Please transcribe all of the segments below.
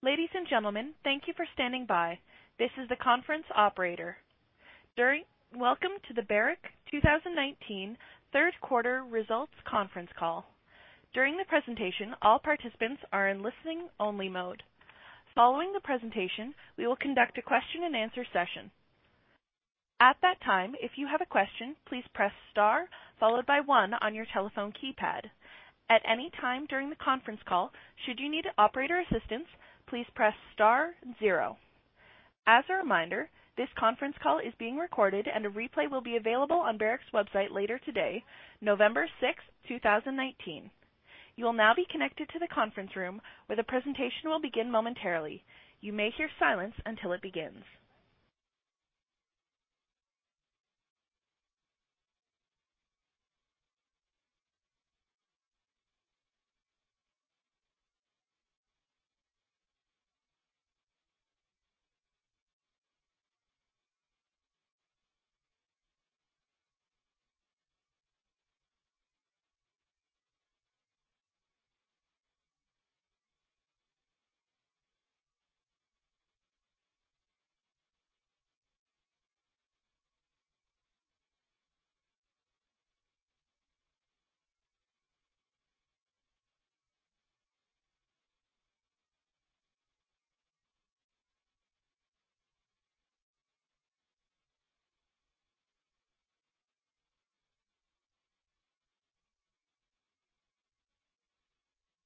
Ladies and gentlemen, thank you for standing by. This is the conference operator. Welcome to the Barrick 2019 third quarter results conference call. During the presentation, all participants are in listening only mode. Following the presentation, we will conduct a question and answer session. At that time, if you have a question, please press star followed by one on your telephone keypad. At any time during the conference call, should you need operator assistance, please press star zero. As a reminder, this conference call is being recorded and a replay will be available on Barrick's website later today, November 6th, 2019. You will now be connected to the conference room where the presentation will begin momentarily. You may hear silence until it begins.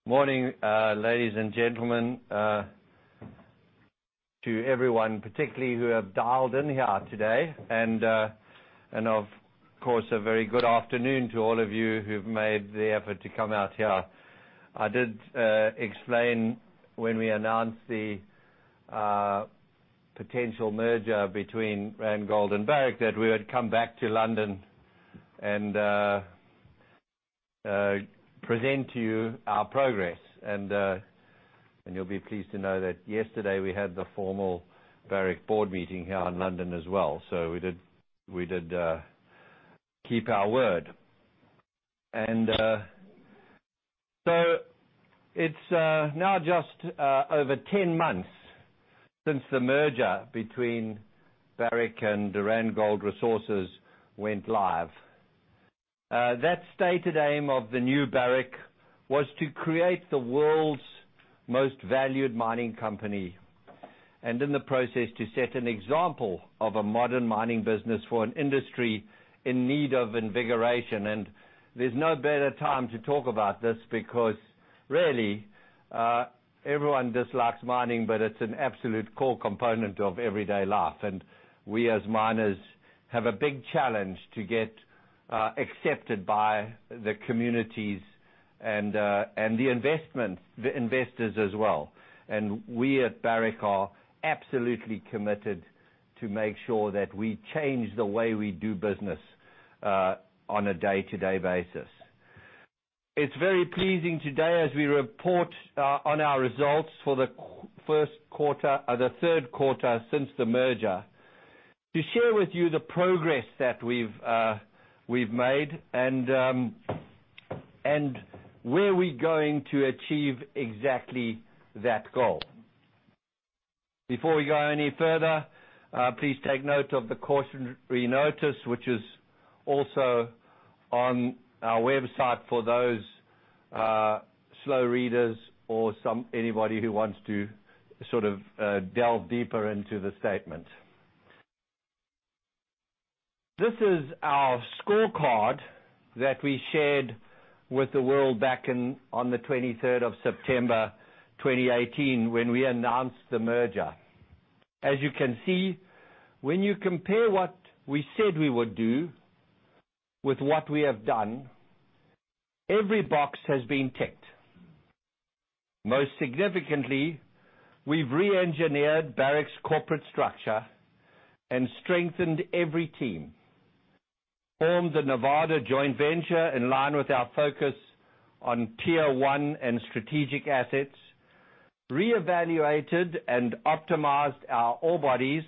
Morning, ladies and gentlemen, to everyone particularly who have dialed in here today, and of course a very good afternoon to all of you who've made the effort to come out here. I did explain when we announced the potential merger between Randgold and Barrick that we would come back to London and present to you our progress. You'll be pleased to know that yesterday we had the formal Barrick board meeting here in London as well. We did keep our word. It's now just over 10 months since the merger between Barrick and the Randgold Resources went live. That stated aim of the new Barrick was to create the world's most valued mining company, and in the process to set an example of a modern mining business for an industry in need of invigoration. There's no better time to talk about this because really, everyone dislikes mining, but it's an absolute core component of everyday life. We, as miners, have a big challenge to get accepted by the communities and the investors as well. We at Barrick are absolutely committed to make sure that we change the way we do business on a day-to-day basis. It's very pleasing today as we report on our results for the third quarter since the merger to share with you the progress that we've made and where we're going to achieve exactly that goal. Before we go any further, please take note of the cautionary notice, which is also on our website for those slow readers or anybody who wants to sort of delve deeper into the statement. This is our scorecard that we shared with the world back on the 23rd of September 2018 when we announced the merger. As you can see, when you compare what we said we would do with what we have done, every box has been ticked. Most significantly, we've re-engineered Barrick's corporate structure and strengthened every team, formed the Nevada joint venture in line with our focus on Tier 1 and strategic assets, reevaluated and optimized our ore bodies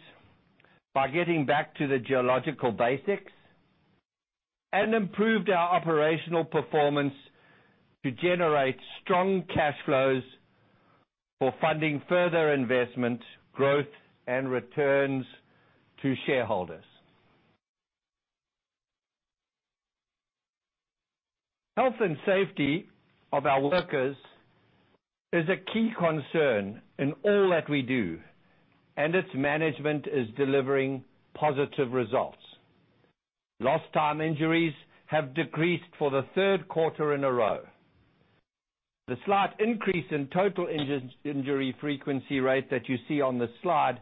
by getting back to the geological basics, and improved our operational performance to generate strong cash flows for funding further investment, growth, and returns to shareholders. Health and safety of our workers is a key concern in all that we do, and its management is delivering positive results. Lost time injuries have decreased for the third quarter in a row. The slight increase in total injury frequency rate that you see on the slide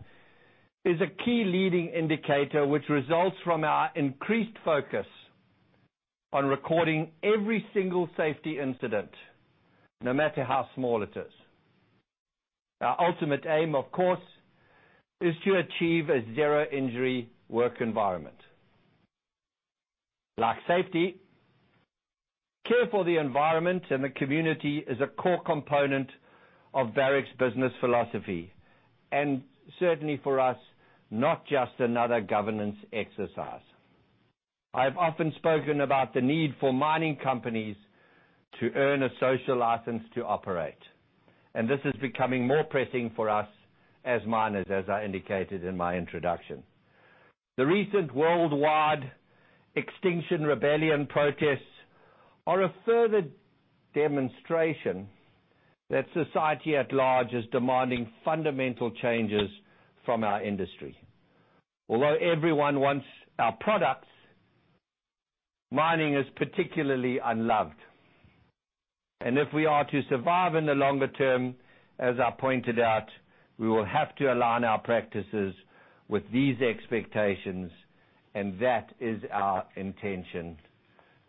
is a key leading indicator which results from our increased focus on recording every single safety incident, no matter how small it is. Our ultimate aim, of course, is to achieve a zero-injury work environment. Like safety, care for the environment and the community is a core component of Barrick's business philosophy. Certainly for us, not just another governance exercise. I've often spoken about the need for mining companies to earn a social license to operate. This is becoming more pressing for us as miners, as I indicated in my introduction. The recent worldwide Extinction Rebellion protests are a further demonstration that society at large is demanding fundamental changes from our industry. Although everyone wants our products, mining is particularly unloved, and if we are to survive in the longer term, as I pointed out, we will have to align our practices with these expectations, and that is our intention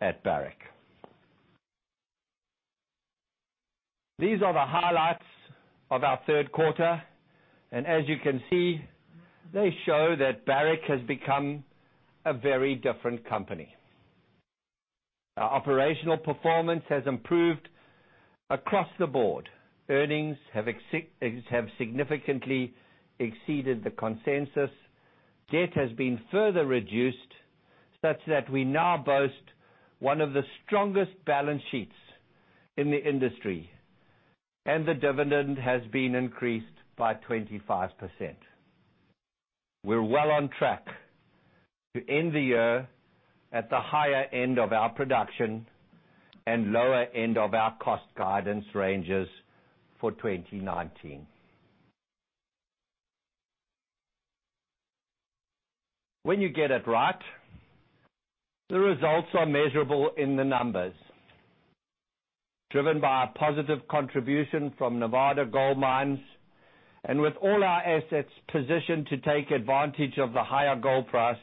at Barrick. As you can see, they show that Barrick has become a very different company. Our operational performance has improved across the board. Earnings have significantly exceeded the consensus. Debt has been further reduced, such that we now boast one of the strongest balance sheets in the industry, and the dividend has been increased by 25%. We're well on track to end the year at the higher end of our production and lower end of our cost guidance ranges for 2019. When you get it right, the results are measurable in the numbers. Driven by a positive contribution from Nevada Gold Mines, with all our assets positioned to take advantage of the higher gold price,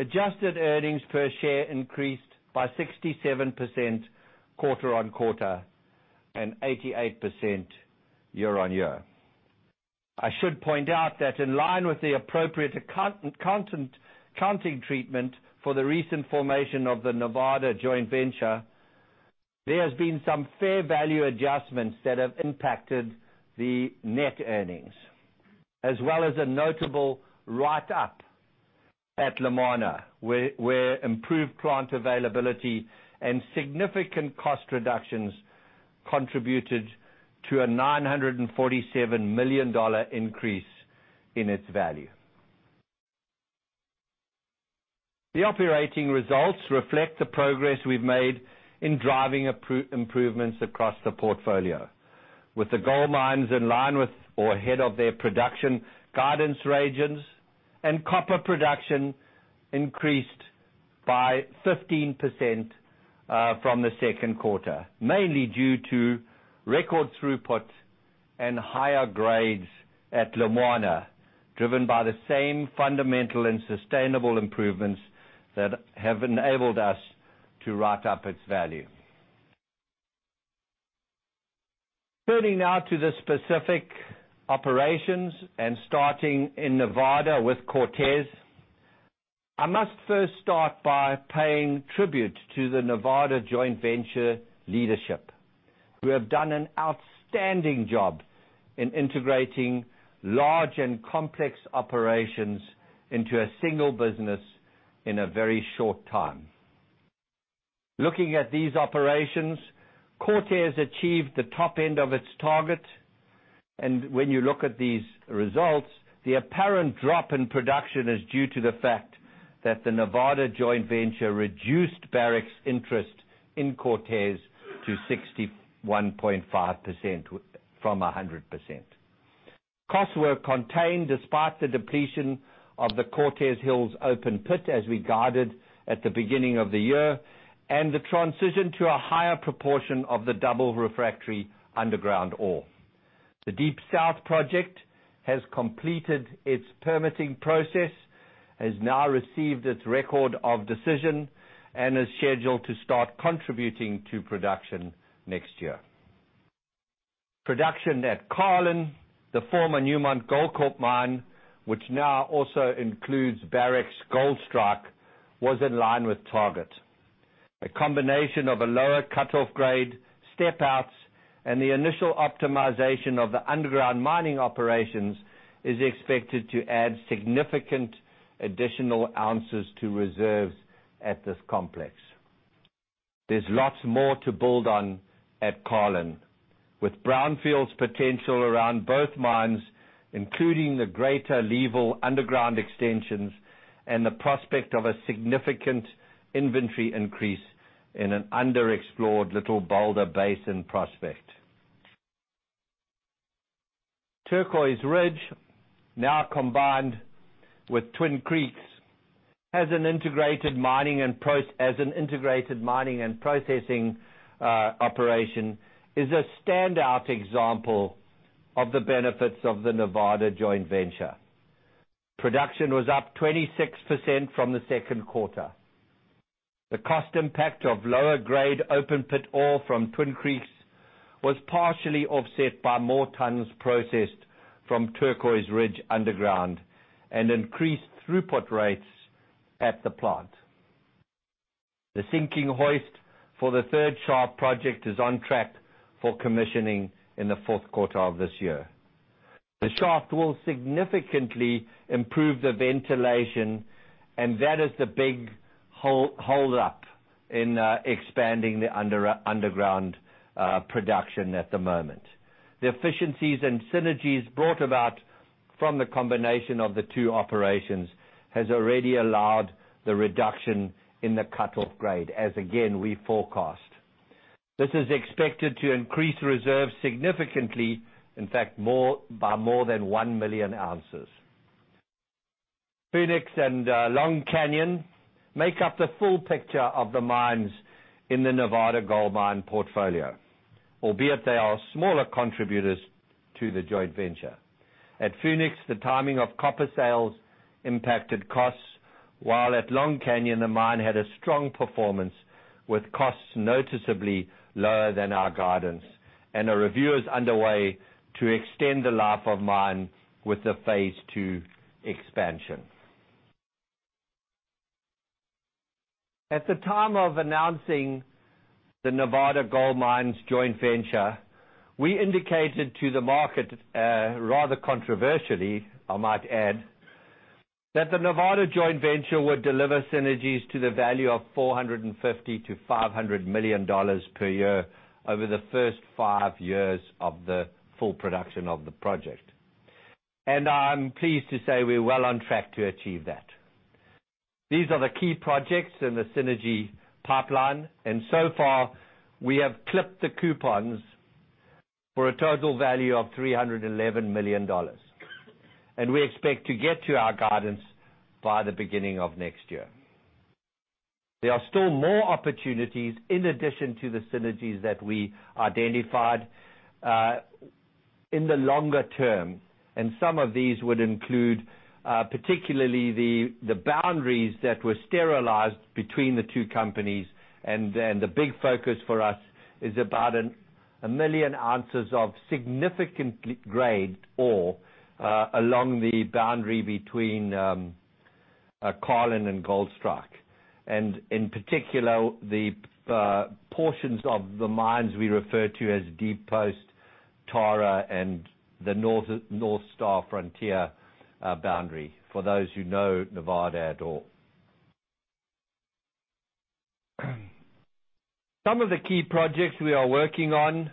adjusted earnings per share increased by 67% quarter-on-quarter, and 88% year-on-year. I should point out that in line with the appropriate accounting treatment for the recent formation of the Nevada joint venture, there has been some fair value adjustments that have impacted the net earnings, as well as a notable write-up at Lagunas Norte, where improved plant availability and significant cost reductions contributed to a $947 million increase in its value. The operating results reflect the progress we've made in driving improvements across the portfolio. With the gold mines in line with or ahead of their production guidance regions, and copper production increased by 15% from the second quarter, mainly due to record throughput and higher grades at Lumwana, driven by the same fundamental and sustainable improvements that have enabled us to write up its value. Now to the specific operations and starting in Nevada with Cortez, I must first start by paying tribute to the Nevada joint venture leadership, who have done an outstanding job in integrating large and complex operations into a single business in a very short time. Looking at these operations, Cortez achieved the top end of its target, when you look at these results, the apparent drop in production is due to the fact that the Nevada joint venture reduced Barrick's interest in Cortez to 61.5% from 100%. Costs were contained despite the depletion of the Cortez Hills open pit, as we guided at the beginning of the year, and the transition to a higher proportion of the double refractory underground ore. The Deep South Project has completed its permitting process, has now received its record of decision, and is scheduled to start contributing to production next year. Production at Carlin, the former Newmont Goldcorp mine, which now also includes Barrick's Goldstrike, was in line with target. A combination of a lower cut-off grade, step outs, and the initial optimization of the underground mining operations is expected to add significant additional ounces to reserves at this complex. There's lots more to build on at Carlin. With brownfields' potential around both mines, including the greater level underground extensions and the prospect of a significant inventory increase in an underexplored Little Boulder Basin prospect. Turquoise Ridge, now combined with Twin Creeks, as an integrated mining and processing operation, is a standout example of the benefits of the Nevada joint venture. Production was up 26% from the second quarter. The cost impact of lower grade open pit ore from Twin Creeks was partially offset by more tons processed from Turquoise Ridge underground and increased throughput rates at the plant. The sinking hoist for the third shaft project is on track for commissioning in the fourth quarter of this year. That is the big hold up in expanding the underground production at the moment. The efficiencies and synergies brought about from the combination of the two operations has already allowed the reduction in the cut-off grade, as again, we forecast. This is expected to increase reserves significantly, in fact, by more than one million ounces. Phoenix and Long Canyon make up the full picture of the mines in the Nevada Gold Mines portfolio, albeit they are smaller contributors to the joint venture. At Phoenix, the timing of copper sales impacted costs, while at Long Canyon, the mine had a strong performance with costs noticeably lower than our guidance, and a review is underway to extend the life of mine with the phase 2 expansion. At the time of announcing the Nevada Gold Mines joint venture, we indicated to the market, rather controversially, I might add, that the Nevada joint venture would deliver synergies to the value of $450 million-$500 million per year over the first five years of the full production of the project. I'm pleased to say we're well on track to achieve that. These are the key projects in the synergy pipeline. So far we have clipped the coupons for a total value of $311 million. We expect to get to our guidance by the beginning of next year. There are still more opportunities in addition to the synergies that we identified in the longer term. Some of these would include, particularly the boundaries that were sterilized between the two companies. The big focus for us is about 1 million ounces of significant grade ore along the boundary between Carlin and Goldstrike. In particular, the portions of the mines we refer to as Deep Post, Tara, and the North Star frontier boundary, for those who know Nevada at all. Some of the key projects we are working on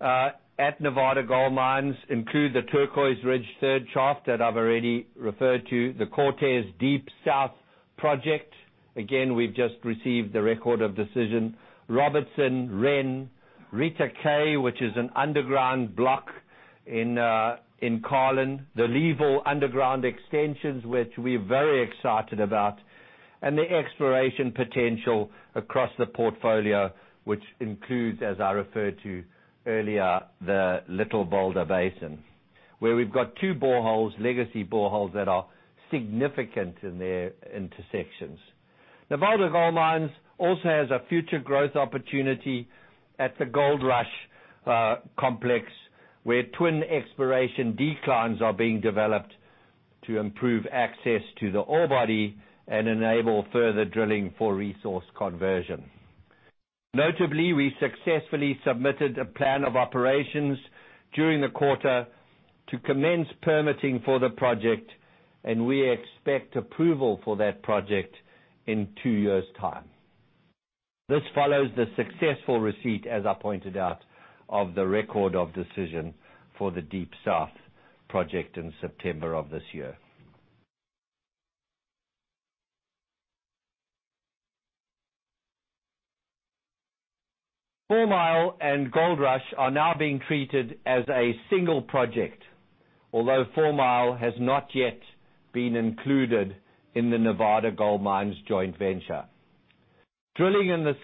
at Nevada Gold Mines include the Turquoise Ridge third shaft that I've already referred to, the Cortez Deep South project. We've just received the record of decision. Robertson, which is an underground block in Carlin, the level underground extensions, which we're very excited about, and the exploration potential across the portfolio, which includes, as I referred to earlier, the Little Boulder Basin, where we've got two boreholes, legacy boreholes that are significant in their intersections. Nevada Gold Mines also has a future growth opportunity at the Goldrush complex, where twin exploration declines are being developed to improve access to the ore body and enable further drilling for resource conversion. We successfully submitted a plan of operations during the quarter to commence permitting for the project, and we expect approval for that project in two years' time. This follows the successful receipt, as I pointed out, of the record of decision for the Deep South project in September of this year. Fourmile and Goldrush are now being treated as a single project. Fourmile has not yet been included in the Nevada Gold Mines joint venture. Drilling in the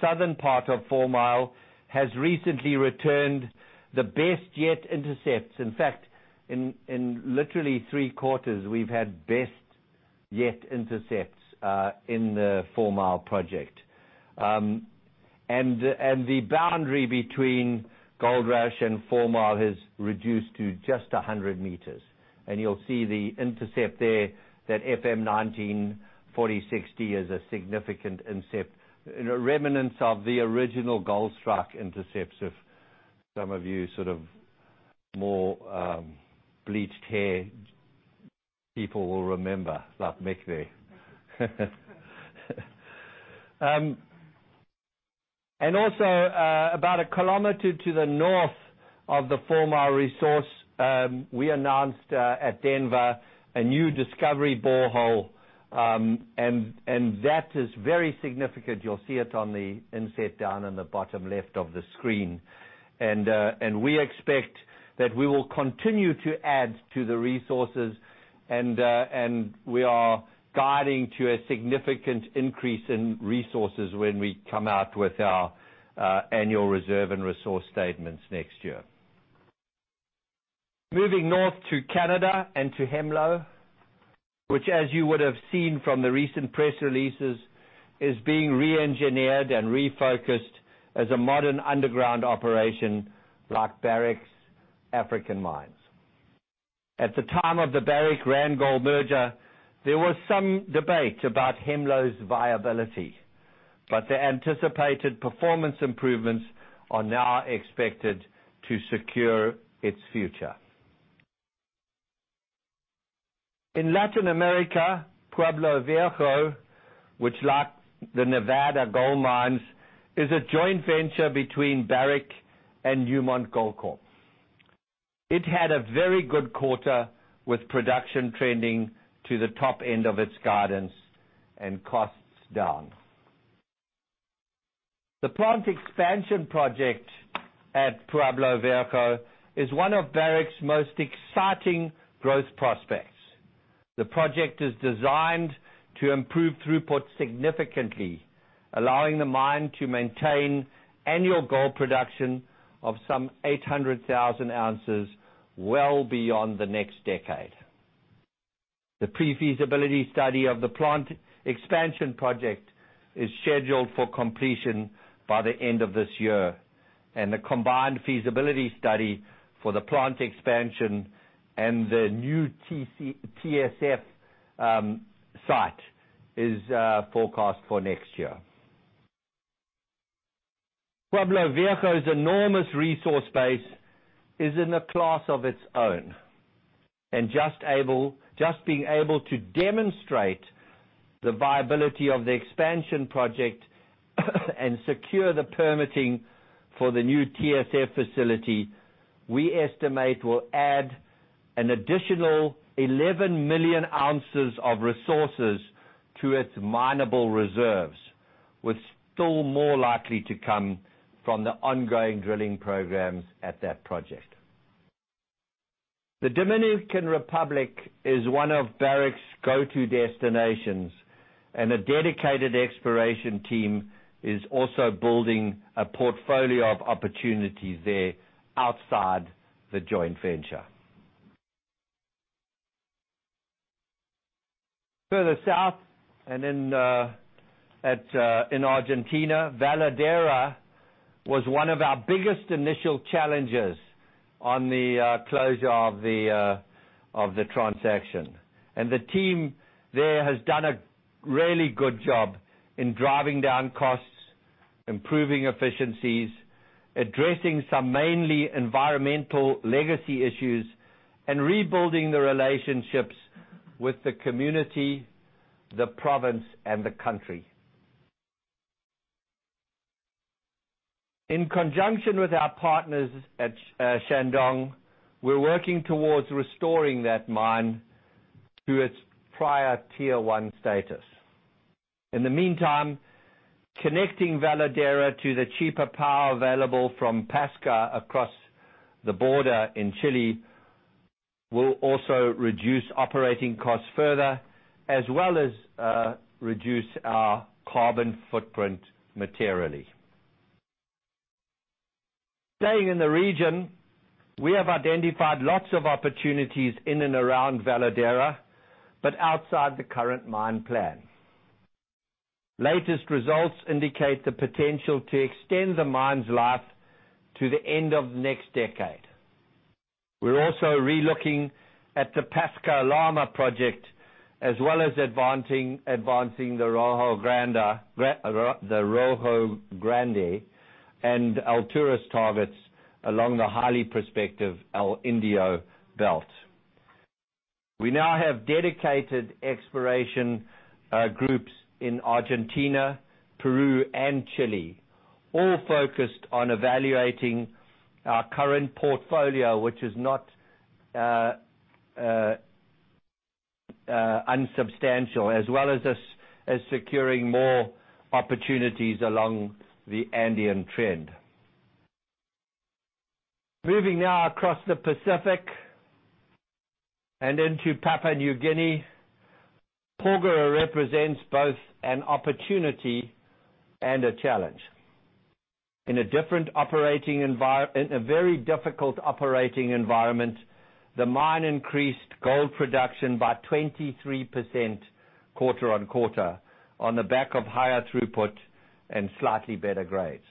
southern part of Fourmile has recently returned the best yet intercepts. In literally three quarters, we've had best yet intercepts in the Fourmile project. The boundary between Goldrush and Fourmile has reduced to just 100 meters. You'll see the intercept there, that FM19-4060 is a significant intercept. Remnants of the original Goldstrike intercepts, if some of you sort of more bleached hair people will remember, like Mick there. Also about a kilometer to the north of the Fourmile resource, we announced at Denver a new discovery borehole, and that is very significant. You'll see it on the inset down in the bottom left of the screen. We expect that we will continue to add to the resources, and we are guiding to a significant increase in resources when we come out with our annual reserve and resource statements next year. Moving north to Canada and to Hemlo, which as you would have seen from the recent press releases, is being re-engineered and refocused as a modern underground operation like Barrick's African mines. At the time of the Barrick-Randgold merger, there was some debate about Hemlo's viability, the anticipated performance improvements are now expected to secure its future. In Latin America, Pueblo Viejo, which like the Nevada Gold Mines, is a joint venture between Barrick and Newmont Goldcorp. It had a very good quarter with production trending to the top end of its guidance and costs down. The plant expansion project at Pueblo Viejo is one of Barrick's most exciting growth prospects. The project is designed to improve throughput significantly, allowing the mine to maintain annual gold production of some 800,000 ounces well beyond the next decade. The pre-feasibility study of the plant expansion project is scheduled for completion by the end of this year, and the combined feasibility study for the plant expansion and the new TSF site is forecast for next year. Pueblo Viejo's enormous resource base is in a class of its own, and just being able to demonstrate the viability of the expansion project and secure the permitting for the new TSF facility, we estimate will add an additional 11 million ounces of resources to its minable reserves, with still more likely to come from the ongoing drilling programs at that project. The Dominican Republic is one of Barrick's go-to destinations. A dedicated exploration team is also building a portfolio of opportunities there outside the joint venture. Further south in Argentina, Veladero was one of our biggest initial challenges on the closure of the transaction. The team there has done a really good job in driving down costs, improving efficiencies, addressing some mainly environmental legacy issues, and rebuilding the relationships with the community, the province, and the country. In conjunction with our partners at Shandong, we're working towards restoring that mine to its prior tier 1 status. In the meantime, connecting Veladero to the cheaper power available from Pascua across the border in Chile will also reduce operating costs further, as well as reduce our carbon footprint materially. Staying in the region, we have identified lots of opportunities in and around Veladero, but outside the current mine plan. Latest results indicate the potential to extend the mine's life to the end of next decade. We're also re-looking at the Pascua-Lama project, as well as advancing the Rojo Grande and Alturas targets along the highly prospective El Indio Belt. We now have dedicated exploration groups in Argentina, Peru, and Chile, all focused on evaluating our current portfolio, which is not unsubstantial, as well as securing more opportunities along the Andean trend. Moving now across the Pacific and into Papua New Guinea, Porgera represents both an opportunity and a challenge. In a very difficult operating environment, the mine increased gold production by 23% quarter-on-quarter on the back of higher throughput and slightly better grades.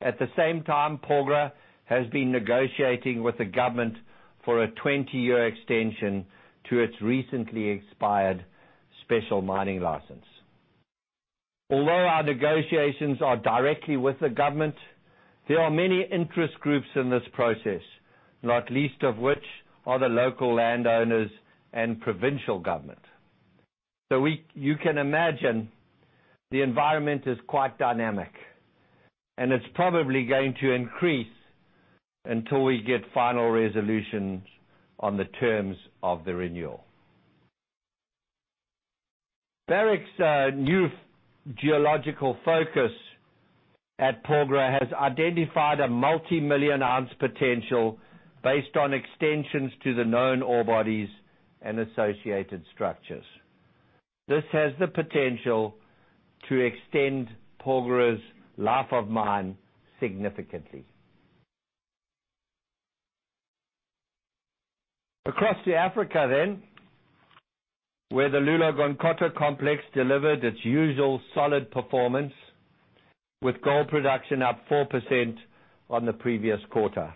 At the same time, Porgera has been negotiating with the government for a 20-year extension to its recently expired special mining lease. Although our negotiations are directly with the government, there are many interest groups in this process, not least of which are the local landowners and provincial government. You can imagine the environment is quite dynamic, and it's probably going to increase until we get final resolutions on the terms of the renewal. Barrick's new geological focus at Porgera has identified a multimillion-ounce potential based on extensions to the known ore bodies and associated structures. This has the potential to extend Porgera's life of mine significantly. Across to Africa. Where the Loulo-Gounkoto complex delivered its usual solid performance, with gold production up 4% on the previous quarter.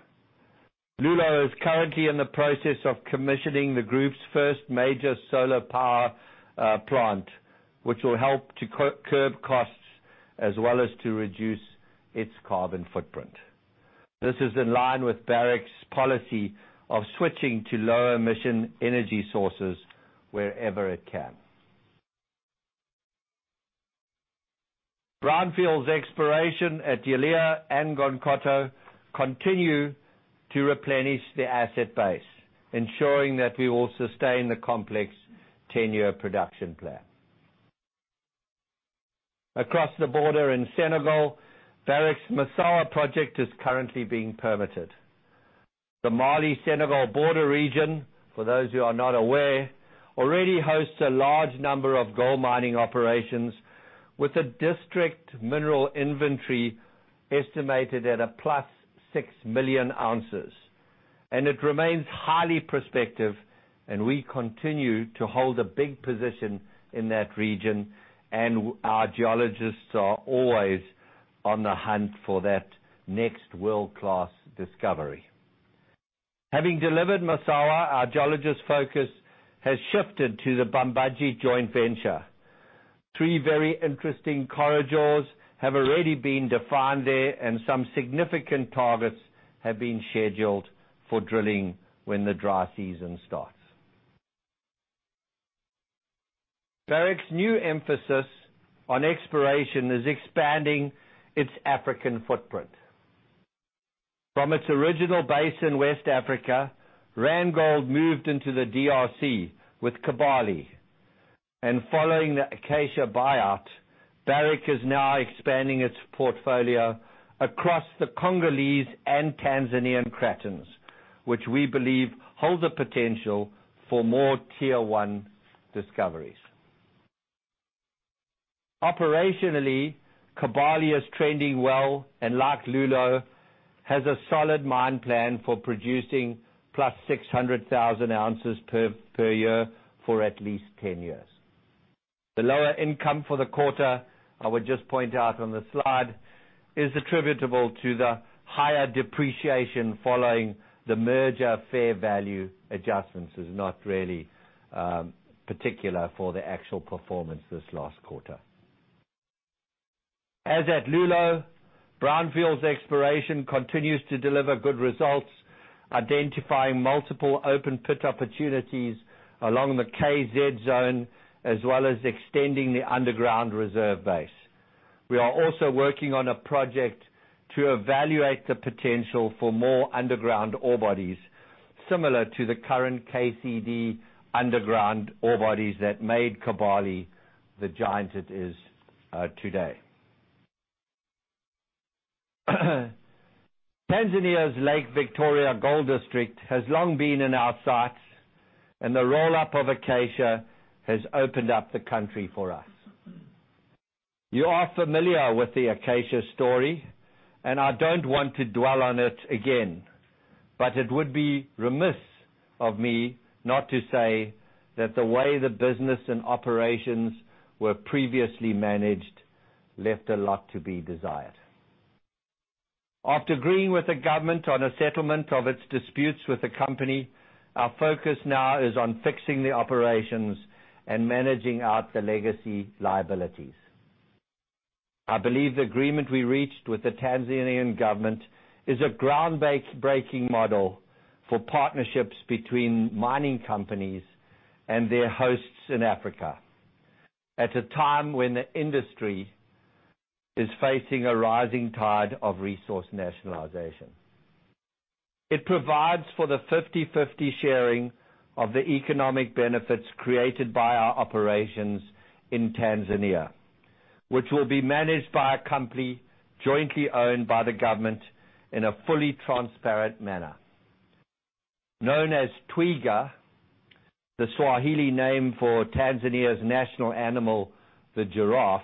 Loulo is currently in the process of commissioning the group's first major solar power plant, which will help to curb costs as well as to reduce its carbon footprint. This is in line with Barrick's policy of switching to lower emission energy sources wherever it can. Brownfield's exploration at Yalea and Gounkoto continue to replenish the asset base, ensuring that we will sustain the complex 10-year production plan. Across the border in Senegal, Barrick's Massawa project is currently being permitted. The Mali-Senegal border region, for those who are not aware, already hosts a large number of gold mining operations, with a district mineral inventory estimated at a +6 million ounces. It remains highly prospective, and we continue to hold a big position in that region, and our geologists are always on the hunt for that next world-class discovery. Having delivered Massawa, our geologists' focus has shifted to the Bambadji joint venture. Three very interesting corridors have already been defined there, and some significant targets have been scheduled for drilling when the dry season starts. Barrick's new emphasis on exploration is expanding its African footprint. From its original base in West Africa, Randgold moved into the DRC with Kibali. Following the Acacia buyout, Barrick is now expanding its portfolio across the Congolese and Tanzanian cratons, which we believe hold the potential for more Tier 1 discoveries. Operationally, Kibali is trending well and like Loulo, has a solid mine plan for producing plus 600,000 ounces per year for at least 10 years. The lower income for the quarter, I would just point out on the slide, is attributable to the higher depreciation following the merger fair value adjustments, is not really particular for the actual performance this last quarter. As at Loulo, brownfield exploration continues to deliver good results, identifying multiple open pit opportunities along the KZ zone, as well as extending the underground reserve base. We are also working on a project to evaluate the potential for more underground ore bodies, similar to the current KCD underground ore bodies that made Kibali the giant it is today. Tanzania's Lake Victoria gold district has long been in our sights. The roll-up of Acacia has opened up the country for us. You are familiar with the Acacia story. I don't want to dwell on it again. It would be remiss of me not to say that the way the business and operations were previously managed left a lot to be desired. After agreeing with the government on a settlement of its disputes with the company, our focus now is on fixing the operations and managing out the legacy liabilities. I believe the agreement we reached with the Tanzanian government is a groundbreaking model for partnerships between mining companies and their hosts in Africa at a time when the industry is facing a rising tide of resource nationalization. It provides for the 50/50 sharing of the economic benefits created by our operations in Tanzania, which will be managed by a company jointly owned by the government in a fully transparent manner. Known as Twiga, the Swahili name for Tanzania's national animal, the giraffe,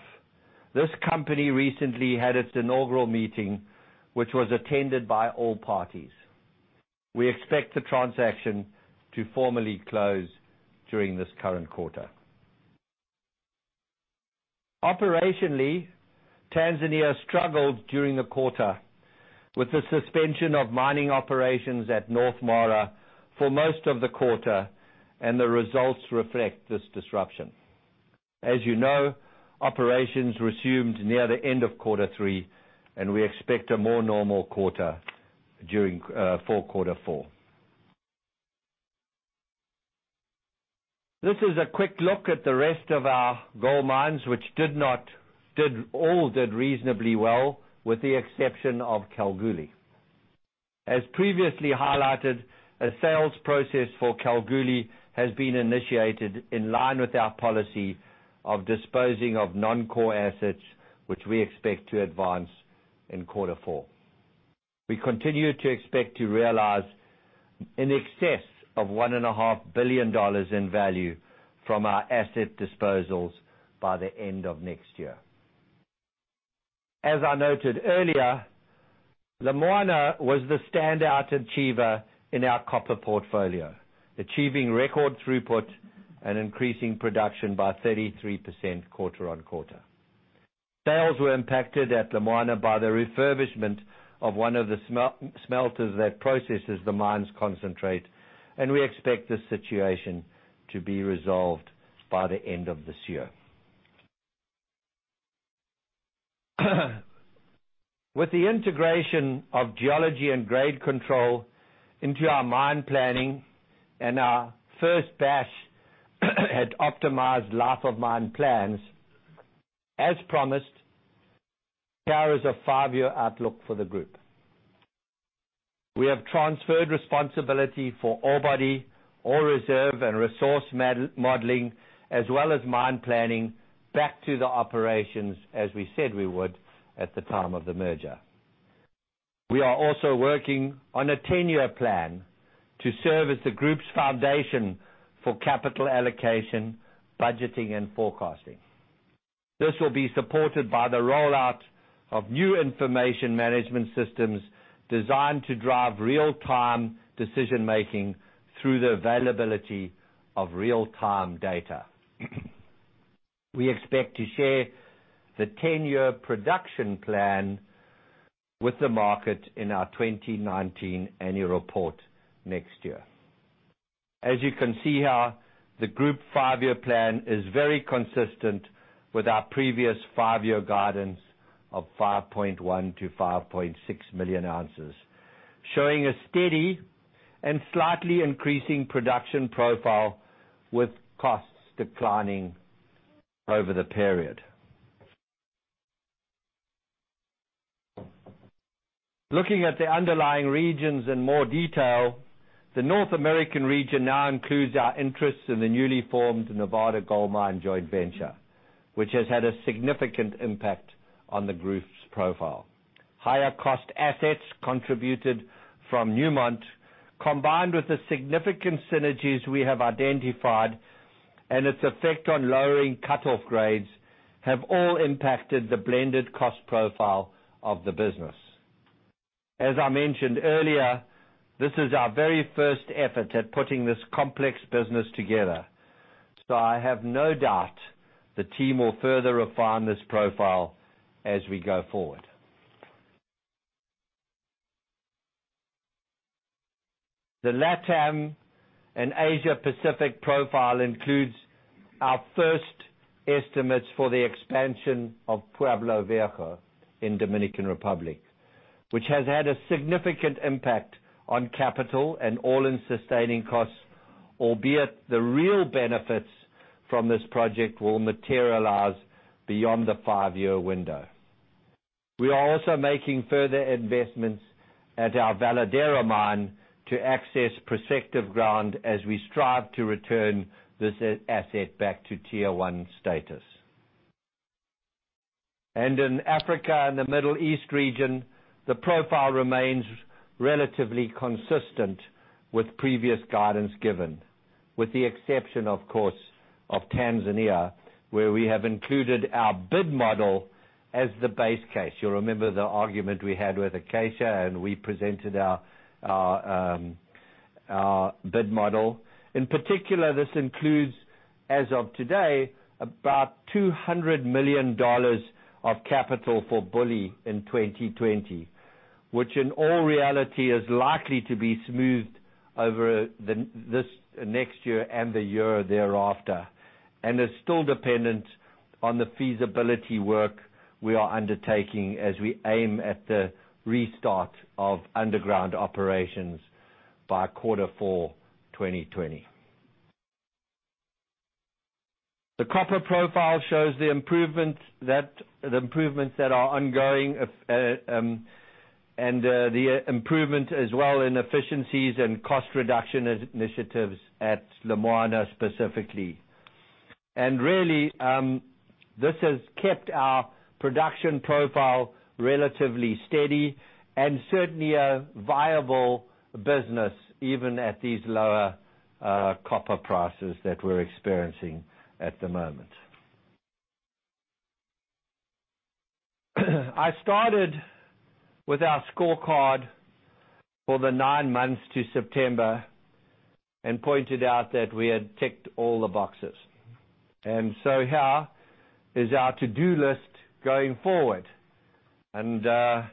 this company recently had its inaugural meeting, which was attended by all parties. We expect the transaction to formally close during this current quarter. Operationally, Tanzania struggled during the quarter with the suspension of mining operations at North Mara for most of the quarter, and the results reflect this disruption. As you know, operations resumed near the end of quarter three, and we expect a more normal quarter for quarter four. This is a quick look at the rest of our gold mines, which all did reasonably well with the exception of Kalgoorlie. As previously highlighted, a sales process for Kalgoorlie has been initiated in line with our policy of disposing of non-core assets, which we expect to advance in quarter four. We continue to expect to realize in excess of $1.5 billion in value from our asset disposals by the end of next year. As I noted earlier, Lumwana was the standout achiever in our copper portfolio, achieving record throughput and increasing production by 33% quarter-on-quarter. Sales were impacted at Lemoana by the refurbishment of one of the smelters that processes the mine's concentrate, and we expect this situation to be resolved by the end of this year. With the integration of geology and grade control into our mine planning and our first bash at optimized life of mine plans, as promised, here is a five-year outlook for the group. We have transferred responsibility for ore body, ore reserve, and resource modeling, as well as mine planning, back to the operations as we said we would at the time of the merger. We are also working on a 10-year plan to serve as the group's foundation for capital allocation, budgeting, and forecasting. This will be supported by the rollout of new information management systems designed to drive real-time decision-making through the availability of real-time data. We expect to share the 10-year production plan with the market in our 2019 annual report next year. As you can see here, the group five-year plan is very consistent with our previous five-year guidance of 5.1 million-5.6 million ounces, showing a steady and slightly increasing production profile, with costs declining over the period. Looking at the underlying regions in more detail, the North American region now includes our interests in the newly formed Nevada Gold Mines joint venture, which has had a significant impact on the group's profile. Higher cost assets contributed from Newmont, combined with the significant synergies we have identified and its effect on lowering cut-off grades, have all impacted the blended cost profile of the business. As I mentioned earlier, this is our very first effort at putting this complex business together. I have no doubt the team will further refine this profile as we go forward. The LATAM and Asia Pacific profile includes our first estimates for the expansion of Pueblo Viejo in Dominican Republic, which has had a significant impact on capital and all-in sustaining costs, albeit the real benefits from this project will materialize beyond the five-year window. We are also making further investments at our Veladero Mine to access prospective ground as we strive to return this asset back to Tier 1 status. In Africa and the Middle East region, the profile remains relatively consistent with previous guidance given, with the exception, of course, of Tanzania, where we have included our bid model as the base case. You'll remember the argument we had with Acacia, we presented our bid model. In particular, this includes, as of today, about $200 million of capital for Bulyanhulu in 2020, which in all reality is likely to be smoothed over this next year and the year thereafter, and is still dependent on the feasibility work we are undertaking as we aim at the restart of underground operations by quarter four 2020. The copper profile shows the improvements that are ongoing, and the improvement as well in efficiencies and cost reduction initiatives at Lumwana specifically. Really, this has kept our production profile relatively steady and certainly a viable business, even at these lower copper prices that we're experiencing at the moment. I started with our scorecard for the nine months to September and pointed out that we had ticked all the boxes. Here is our to-do list going forward, and I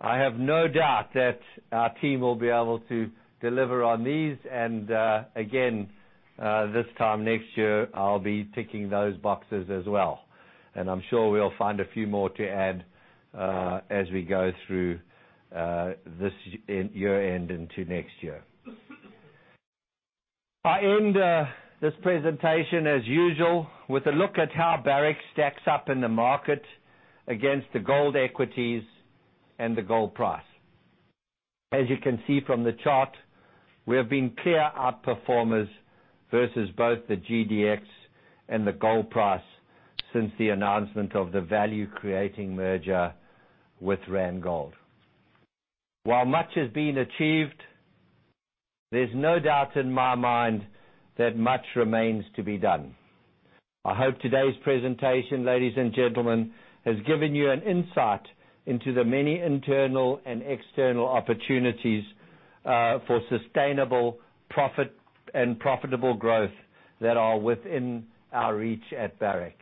have no doubt that our team will be able to deliver on these. Again, this time next year, I'll be ticking those boxes as well. I'm sure we'll find a few more to add as we go through this year-end into next year. I end this presentation as usual with a look at how Barrick stacks up in the market against the gold equities and the gold price. As you can see from the chart, we have been clear out-performers versus both the GDX and the gold price since the announcement of the value-creating merger with Randgold. While much has been achieved. There's no doubt in my mind that much remains to be done. I hope today's presentation, ladies and gentlemen, has given you an insight into the many internal and external opportunities for sustainable profit and profitable growth that are within our reach at Barrick.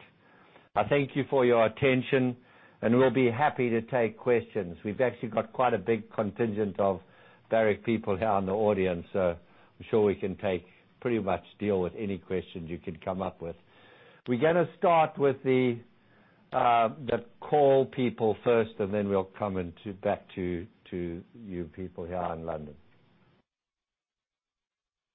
I thank you for your attention, and we'll be happy to take questions. We've actually got quite a big contingent of Barrick people here in the audience, so I'm sure we can pretty much deal with any questions you can come up with. We're going to start with the call people first, and then we'll come back to you people here in London.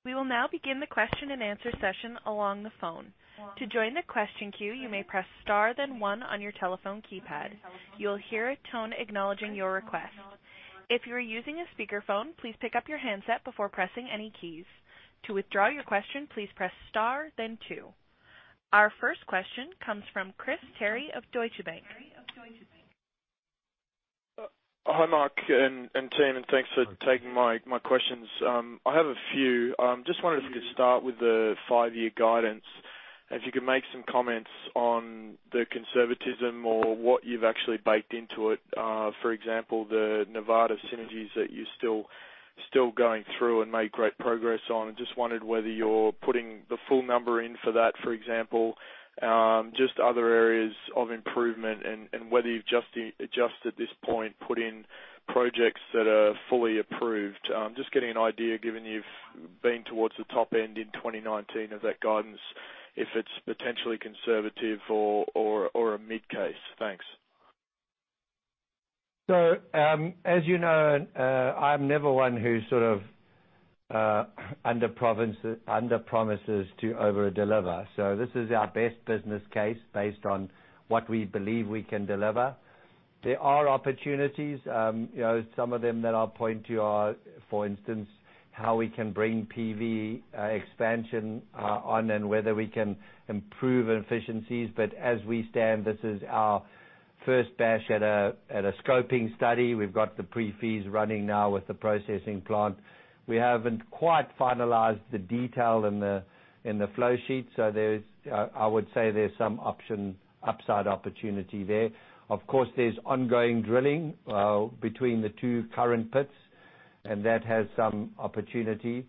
We will now begin the question and answer session along the phone. To join the question queue, you may press star then one on your telephone keypad. You will hear a tone acknowledging your request. If you are using a speakerphone, please pick up your handset before pressing any keys. To withdraw your question, please press star then two. Our first question comes from Chris Terry of Deutsche Bank. Hi, Mark and team, and thanks for taking my questions. I have a few. Just wanted to start with the five-year guidance. If you could make some comments on the conservatism or what you've actually baked into it. For example, the Nevada synergies that you're still going through and made great progress on. I just wondered whether you're putting the full number in for that, for example, just other areas of improvement and whether you've just at this point, put in projects that are fully approved. Just getting an idea, given you've been towards the top end in 2019 of that guidance, if it's potentially conservative or a mid-case. Thanks. As you know, I'm never one who under-promises to over-deliver. This is our best business case based on what we believe we can deliver. There are opportunities. Some of them that I'll point to are, for instance, how we can bring PV expansion on and whether we can improve efficiencies. As we stand, this is our first bash at a scoping study. We've got the pre-fees running now with the processing plant. We haven't quite finalized the detail in the flow sheet, so I would say there's some upside opportunity there. Of course, there's ongoing drilling between the two current pits, and that has some opportunity.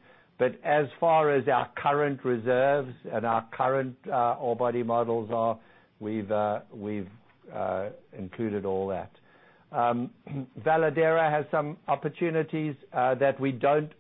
As far as our current reserves and our current ore body models are, we've included all that. Veladero has some opportunities that we don't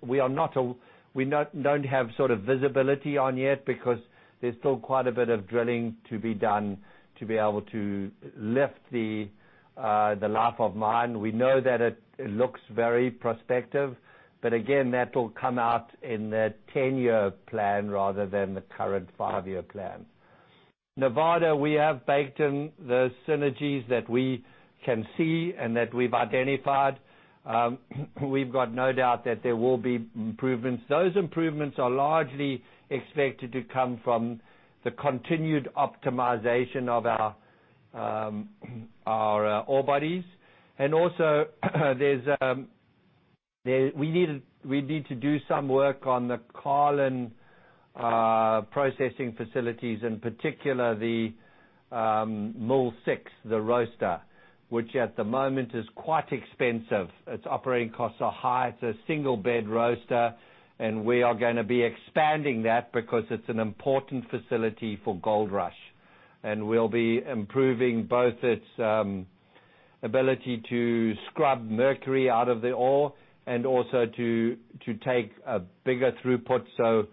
have visibility on yet because there's still quite a bit of drilling to be done to be able to lift the life of mine. We know that it looks very prospective, but again, that will come out in the 10-year plan rather than the current five-year plan. Nevada, we have baked in those synergies that we can see and that we've identified. We've got no doubt that there will be improvements. Those improvements are largely expected to come from the continued optimization of our ore bodies. Also, we need to do some work on the Carlin processing facilities, in particular, the Mill six, the roaster, which at the moment is quite expensive. Its operating costs are high. It's a single-bed roaster, and we are going to be expanding that because it's an important facility for Goldrush. We'll be improving both its ability to scrub mercury out of the ore and also to take a bigger throughput, so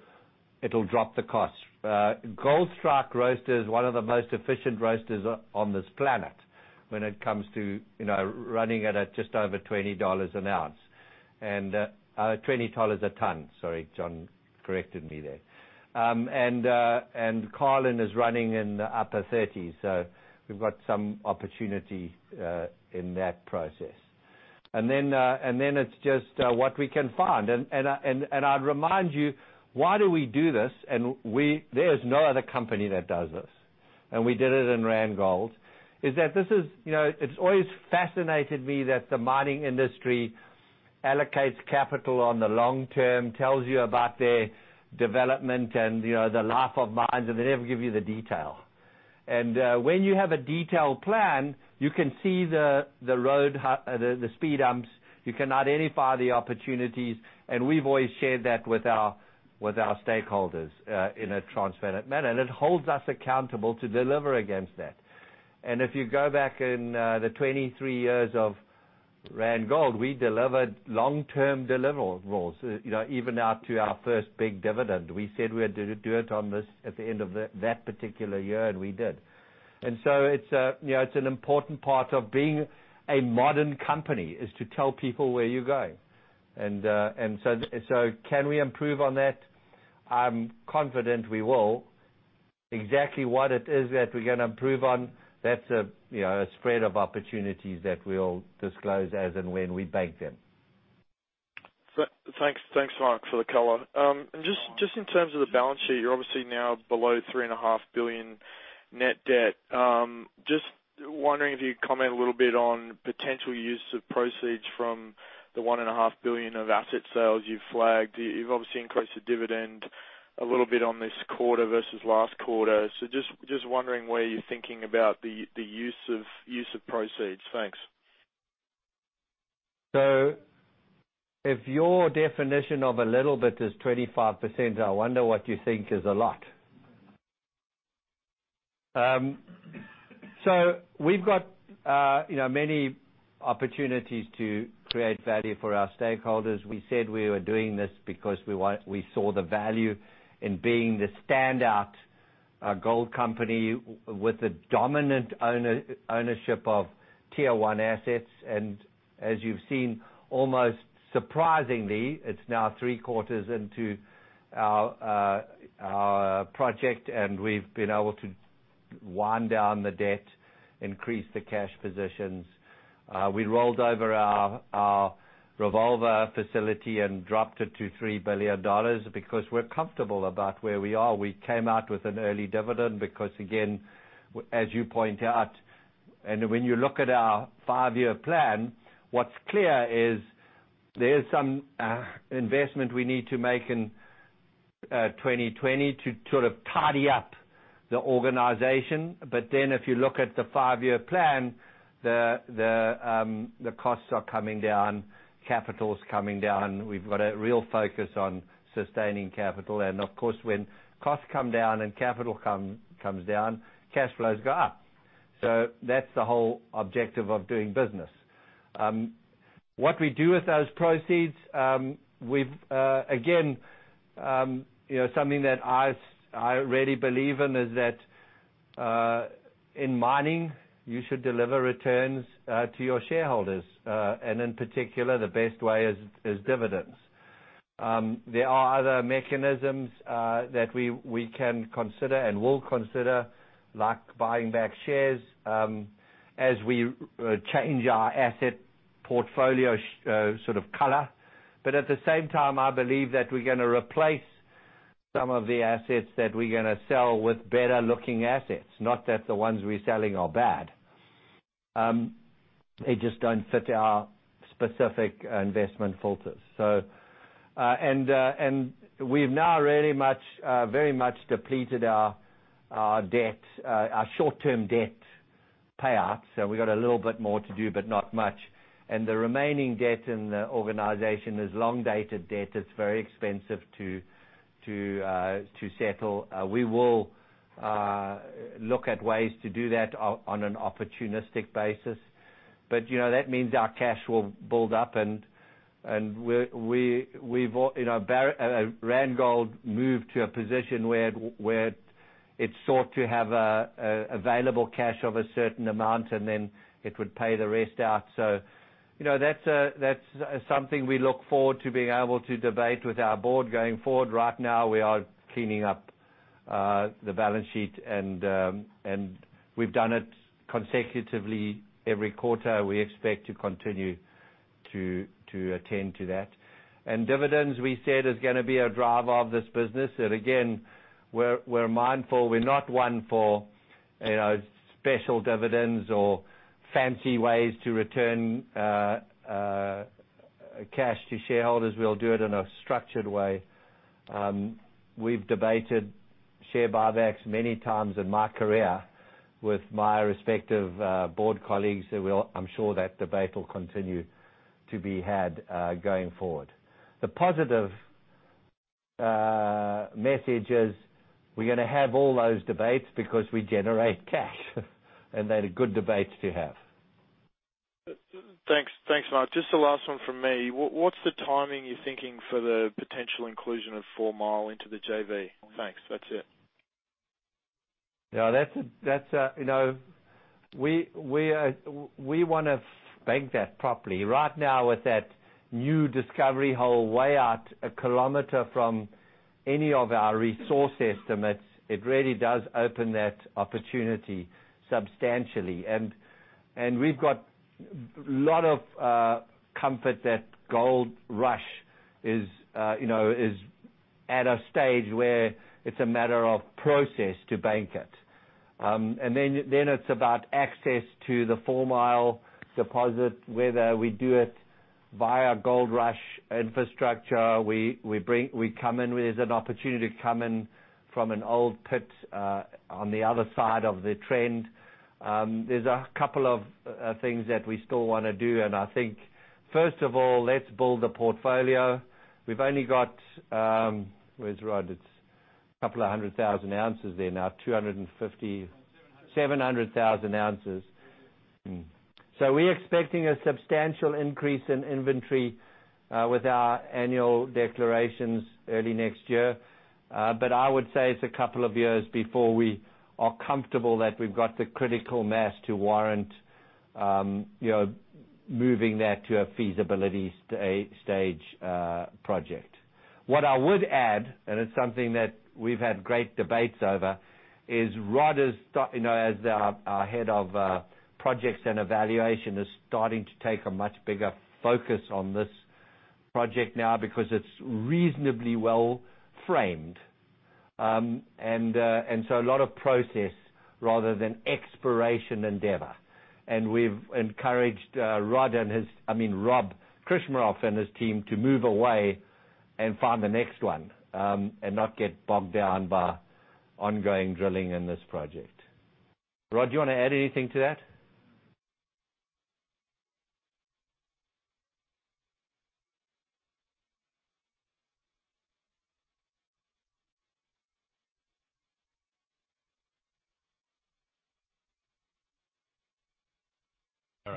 it'll drop the cost. Goldstrike roaster is one of the most efficient roasters on this planet when it comes to running it at just over $20 an ounce. $20 a ton, sorry, John corrected me there. Carlin is running in the upper 30s, so we've got some opportunity in that process. Then it's just what we can find. I'd remind you, why do we do this? There is no other company that does this, and we did it in Randgold, is that it's always fascinated me that the mining industry allocates capital on the long term, tells you about their development and the life of mines, and they never give you the detail. When you have a detailed plan, you can see the road, the speed bumps, you can identify the opportunities, and we've always shared that with our stakeholders in a transparent manner. It holds us accountable to deliver against that. If you go back in the 23 years of Randgold, we delivered long-term deliverables, even out to our first big dividend. We said we'd do it on this at the end of that particular year, and we did. It's an important part of being a modern company is to tell people where you're going. Can we improve on that? I'm confident we will. Exactly what it is that we're going to improve on, that's a spread of opportunities that we'll disclose as and when we bake them. Thanks, Mark, for the color. Just in terms of the balance sheet, you're obviously now below $3.5 billion net debt. Just wondering if you could comment a little bit on potential use of proceeds from the $1.5 billion of asset sales you've flagged. You've obviously increased the dividend a little bit on this quarter versus last quarter. Just wondering where you're thinking about the use of proceeds. Thanks. If your definition of a little bit is 25%, I wonder what you think is a lot. We've got many opportunities to create value for our stakeholders. We said we were doing this because we saw the value in being the standout gold company with the dominant ownership of tier 1 assets. As you've seen, almost surprisingly, it's now three quarters into our project and we've been able to wind down the debt, increase the cash positions. We rolled over our revolver facility and dropped it to $3 billion because we're comfortable about where we are. We came out with an early dividend because, again, as you point out, and when you look at our five-year plan, what's clear is there's some investment we need to make in 2020 to sort of tidy up the organization. If you look at the five-year plan, the costs are coming down, capital's coming down. We've got a real focus on sustaining capital. Of course, when costs come down and capital comes down, cash flows go up. That's the whole objective of doing business. What we do with those proceeds, again, something that I really believe in is that in mining, you should deliver returns to your shareholders. In particular, the best way is dividends. There are other mechanisms that we can consider and will consider, like buying back shares, as we change our asset portfolio sort of color. At the same time, I believe that we're going to replace some of the assets that we're going to sell with better-looking assets. Not that the ones we're selling are bad. They just don't fit our specific investment filters. We've now very much depleted our short-term debt payouts. We've got a little bit more to do, but not much. The remaining debt in the organization is long-dated debt that's very expensive to settle. We will look at ways to do that on an opportunistic basis. That means our cash will build up and Randgold moved to a position where it sought to have available cash of a certain amount and then it would pay the rest out. That's something we look forward to being able to debate with our board going forward. Right now, we are cleaning up the balance sheet and we've done it consecutively every quarter. We expect to continue to attend to that. Dividends we said is going to be a driver of this business. Again, we're mindful, we're not one for special dividends or fancy ways to return cash to shareholders. We'll do it in a structured way. We've debated share buybacks many times in my career with my respective board colleagues. I'm sure that debate will continue to be had going forward. The positive message is we're going to have all those debates because we generate cash, and they're good debates to have. Thanks, Mark. Just the last one from me. What's the timing you're thinking for the potential inclusion of Fourmile into the JV? Thanks. That's it. We want to bank that properly. Right now with that new discovery hole way out a kilometer from any of our resource estimates, it really does open that opportunity substantially. We've got a lot of comfort that Gold Rush is at a stage where it's a matter of process to bank it. Then it's about access to the Fourmile deposit, whether we do it via Gold Rush infrastructure. There's an opportunity to come in from an old pit on the other side of the trend. There's a couple of things that we still want to do. I think, first of all, let's build a portfolio. We've only got, where's Rob? It's a couple of hundred thousand ounces there now. 700,000 ounces. We're expecting a substantial increase in inventory with our annual declarations early next year. I would say it's a couple of years before we are comfortable that we've got the critical mass to warrant moving that to a feasibility stage project. What I would add, it's something that we've had great debates over, is Rob, as our head of projects and evaluation, is starting to take a much bigger focus on this project now because it's reasonably well framed. A lot of process rather than exploration endeavor. We've encouraged Rob and Rob Krcmarov and his team to move away and find the next one, and not get bogged down by ongoing drilling in this project. Rob, do you want to add anything to that?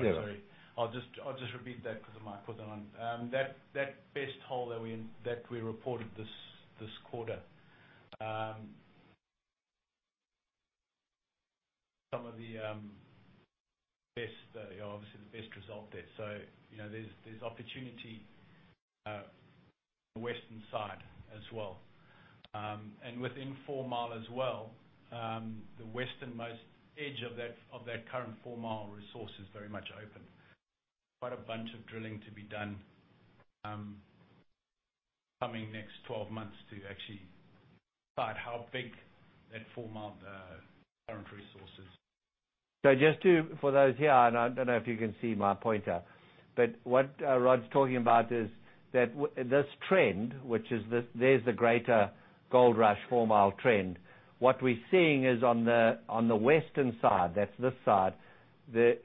All right. Sorry. I'll just repeat that. That best hole that we reported this quarter. Some of the best, obviously the best result there. There's opportunity western side as well. Within Fourmile as well, the westernmost edge of that current Fourmile resource is very much open. Quite a bunch of drilling to be done coming next 12 months to actually decide how big that Fourmile current resource is. Just to, for those here, and I don't know if you can see my pointer, but what Rob's talking about is that this trend, which is this, there's the greater Goldrush Fourmile trend. What we're seeing is on the western side, that's this side, there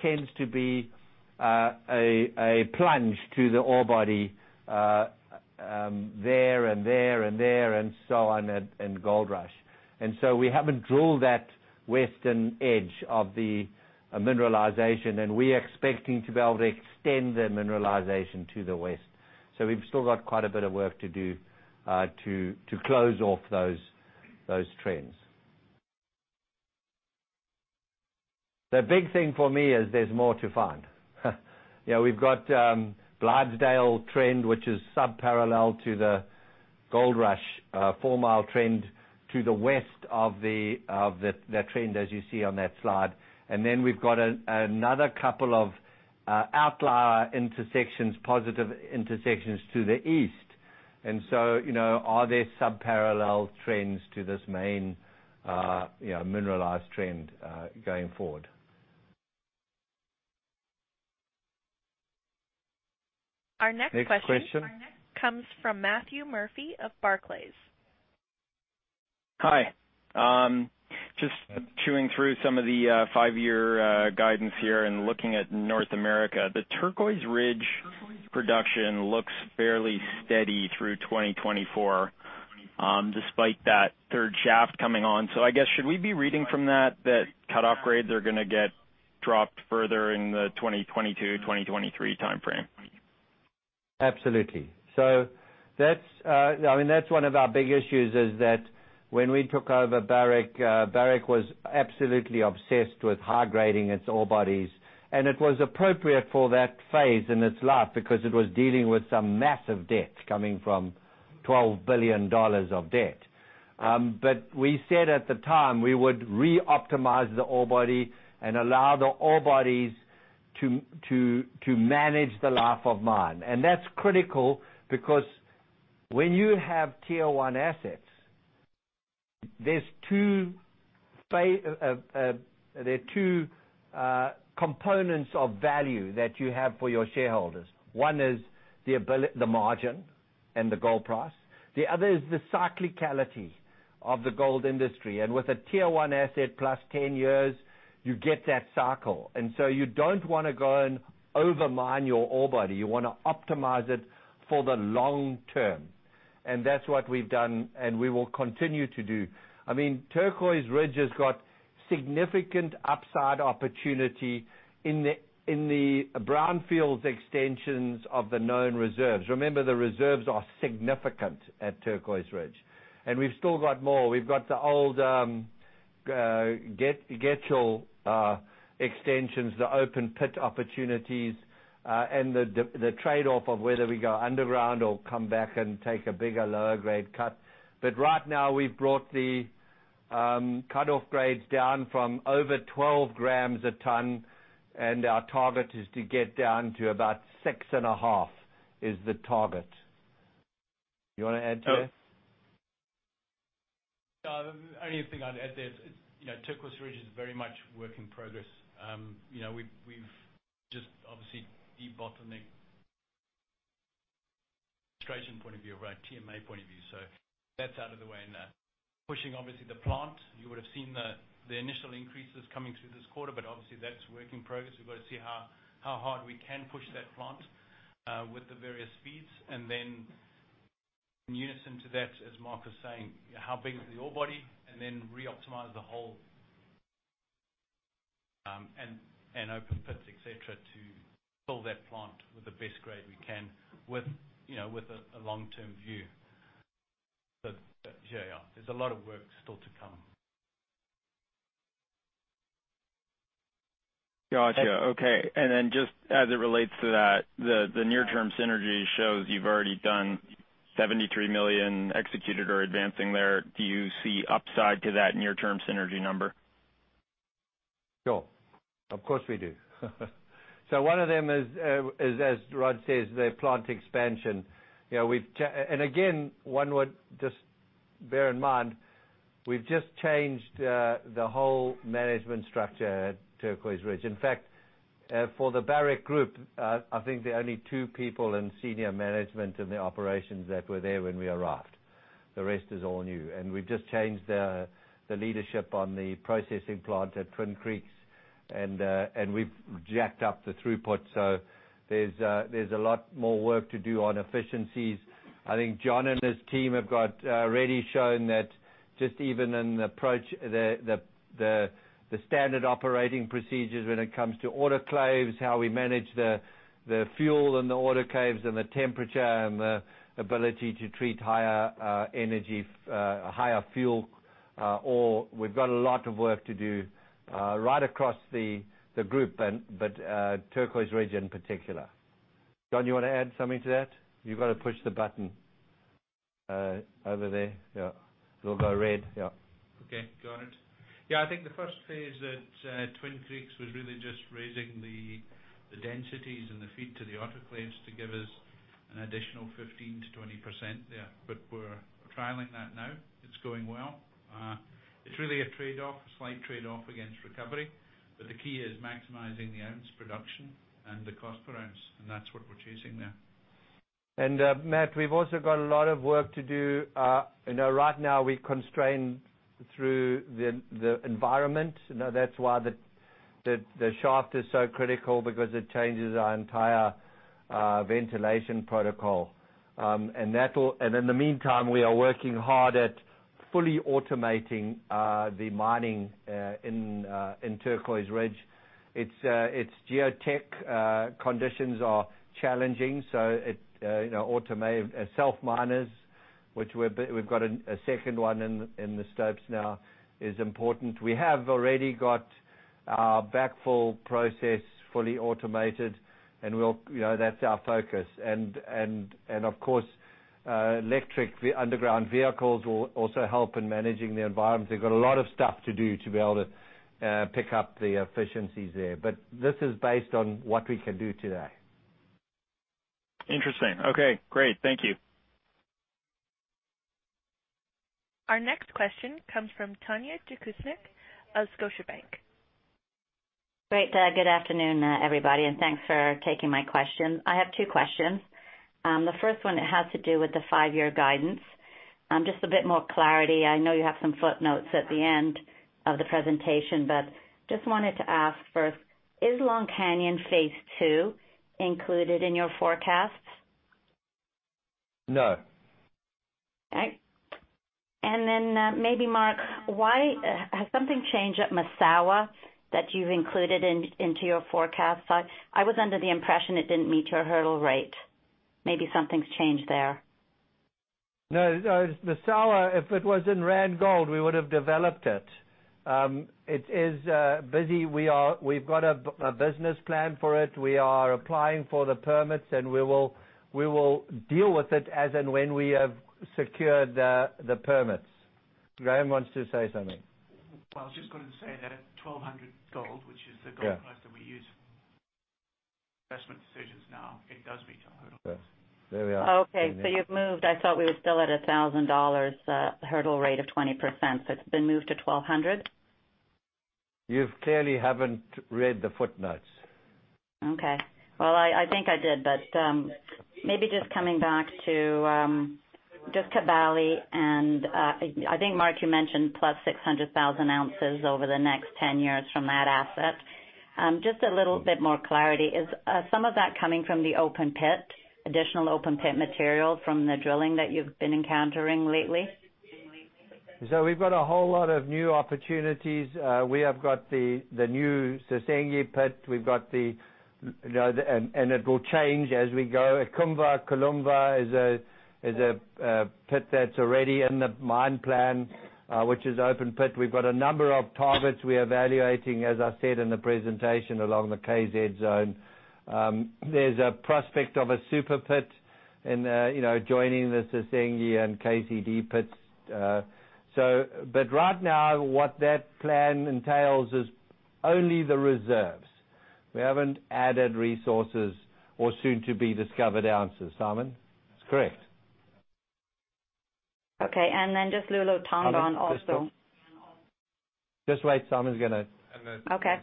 tends to be a plunge to the ore body, there and there and there and so on in Goldrush. We haven't drilled that western edge of the mineralization, and we're expecting to be able to extend the mineralization to the west. We've still got quite a bit of work to do to close off those trends. The big thing for me is there's more to find. We've got Blythedale trend, which is subparallel to the Goldrush Fourmile trend to the west of the trend as you see on that slide. We've got another couple of outlier intersections, positive intersections to the east. Are there subparallel trends to this main mineralized trend, going forward? Our next question. Next question. comes from Matthew Murphy of Barclays. Hi. Just chewing through some of the five-year guidance here and looking at North America. The Turquoise Ridge production looks fairly steady through 2024, despite that third shaft coming on. I guess should we be reading from that cut-off grade, they're gonna get dropped further in the 2022, 2023 timeframe? Absolutely. That's one of our big issues is that when we took over Barrick was absolutely obsessed with high-grading its ore bodies, and it was appropriate for that phase in its life because it was dealing with some massive debt, coming from $12 billion of debt. We said at the time we would re-optimize the ore body and allow the ore bodies to manage the life of mine. That's critical because when you have Tier One assets, there are two components of value that you have for your shareholders. One is the margin and the gold price. The other is the cyclicality of the gold industry. With a Tier One asset plus 10 years, you get that cycle. You don't wanna go and over-mine your ore body. You wanna optimize it for the long term. That's what we've done and we will continue to do. I mean, Turquoise Ridge has got significant upside opportunity in the brownfields extensions of the known reserves. Remember, the reserves are significant at Turquoise Ridge. We've still got more. We've got the old Getchell extensions, the open pit opportunities, and the trade-off of whether we go underground or come back and take a bigger lower grade cut. Right now we've brought the cut-off grades down from over 12 grams a ton, and our target is to get down to about 6.5, is the target. You wanna add to this? The only thing I'd add there is, Turquoise Ridge is very much work in progress. We've just obviously debottlenecked point of view, right, TMA point of view. That's out of the way now. Pushing, obviously, the plant. You would have seen the initial increases coming through this quarter, obviously that's work in progress. We've got to see how hard we can push that plant with the various feeds, then in unison to that, as Mark was saying, how big is the ore body, and then re-optimize the hole, and open pits, et cetera, to fill that plant with the best grade we can with a long-term view. Yeah. There's a lot of work still to come. Got you. Okay. Just as it relates to that, the near-term synergy shows you've already done $73 million executed or advancing there. Do you see upside to that near-term synergy number? Sure. Of course we do. One of them is, as Rob says, the plant expansion. Again, one would just bear in mind, we've just changed the whole management structure at Turquoise Ridge. In fact, for the Barrick Group, I think there are only two people in senior management in the operations that were there when we arrived. The rest is all new. We've just changed the leadership on the processing plant at Twin Creeks, and we've jacked up the throughput. There's a lot more work to do on efficiencies. I think John and his team have already shown that just even in the approach, the standard operating procedures when it comes to autoclaves, how we manage the fuel and the autoclaves and the temperature and the ability to treat higher energy, higher fuel ore. We've got a lot of work to do right across the group, but Turquoise Ridge in particular. John, you want to add something to that? You've got to push the button over there. Yeah. It'll go red. Yeah. Okay, got it. Yeah, I think the first phase at Twin Creeks was really just raising the densities and the feed to the autoclaves to give us an additional 15%-20% there. We're trialing that now. It's going well. It's really a trade-off, a slight trade-off against recovery, but the key is maximizing the ounce production and the cost per ounce, and that's what we're chasing there. Matt, we've also got a lot of work to do. I know right now we're constrained through the environment. That's why the shaft is so critical because it changes our entire ventilation protocol. In the meantime, we are working hard at fully automating the mining in Turquoise Ridge. Its geotech conditions are challenging, so self-miners, which we've got a second one in the stopes now, is important. We have already got our backfill process fully automated and that's our focus. Of course, electric underground vehicles will also help in managing the environment. We've got a lot of stuff to do to be able to pick up the efficiencies there. This is based on what we can do today. Interesting. Okay, great. Thank you. Our next question comes from Tanya Jakusconek of Scotiabank. Great. Good afternoon, everybody, and thanks for taking my question. I have two questions. The first one has to do with the five-year guidance. Just a bit more clarity. I know you have some footnotes at the end of the presentation, but just wanted to ask first, is Long Canyon Phase II included in your forecast? No. Okay. Maybe Mark, has something changed at Massawa that you've included into your forecast? I was under the impression it didn't meet your hurdle rate. Maybe something's changed there. No. Massawa, if it was in Randgold, we would have developed it. It is busy. We've got a business plan for it. We are applying for the permits, and we will deal with it as and when we have secured the permits. Graham wants to say something. Well, I was just going to say that at $1,200 gold, which is the gold price that we use for investment decisions now, it does meet our hurdle. There we are. Okay. You've moved. I thought we were still at $1,000, hurdle rate of 20%, so it's been moved to $1,200? You clearly haven't read the footnotes. Okay. Well, I think I did. Maybe just coming back to just Kibali, I think, Mark, you mentioned plus 600,000 ounces over the next 10 years from that asset. Just a little bit more clarity. Is some of that coming from the open pit, additional open-pit material from the drilling that you've been encountering lately? We've got a whole lot of new opportunities. We have got the new Sessenge pit, and it will change as we go. Kalimva-Ikamva is a pit that's already in the mine plan, which is open pit. We've got a number of targets we're evaluating, as I said in the presentation, along the KZ zone. There's a prospect of a super pit joining the Sessenge and KCD pits. Right now, what that plan entails is only the reserves. We haven't added resources or soon-to-be-discovered ounces. Simon? That's correct. Okay. Just Loulo-Gounkoto also. Just wait, Simon's gonna. Okay.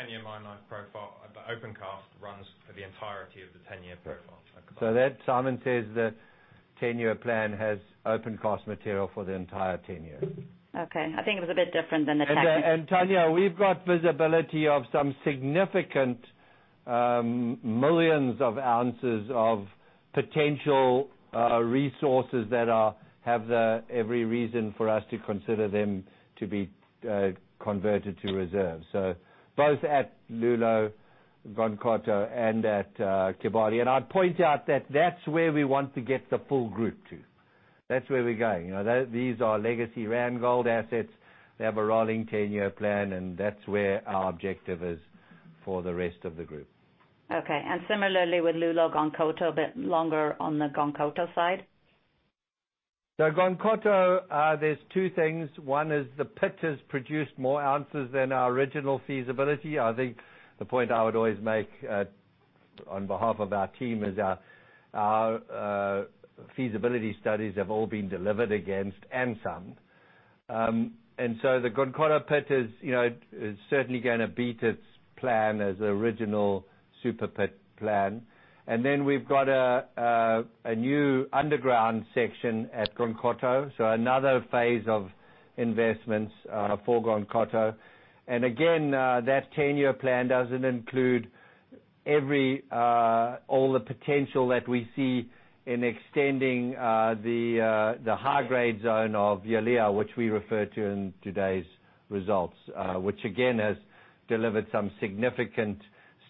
The 10-year mine life profile of open cast runs for the entirety of the 10-year profile. Simon says the 10-year plan has open cast material for the entire 10 years. Okay. I think it was a bit different than the tech- Tanya, we've got visibility of some significant millions of ounces of potential resources that have every reason for us to consider them to be converted to reserves. Both at Loulo, Gounkoto, and at Kibali. I'd point out that that's where we want to get the full group to. That's where we're going. These are legacy Randgold assets. They have a rolling 10-year plan, and that's where our objective is for the rest of the group. Okay. Similarly with Loulo-Gounkoto, a bit longer on the Gounkoto side? Gounkoto, there's two things. One is the pit has produced more ounces than our original feasibility. I think the point I would always make on behalf of our team is our feasibility studies have all been delivered against and some. The Gounkoto pit is certainly going to beat its plan as the original super pit plan. We've got a new underground section at Gounkoto, so another phase of investments for Gounkoto. That 10-year plan doesn't include all the potential that we see in extending the high-grade zone of Yalea, which we refer to in today's results, which again has delivered some significant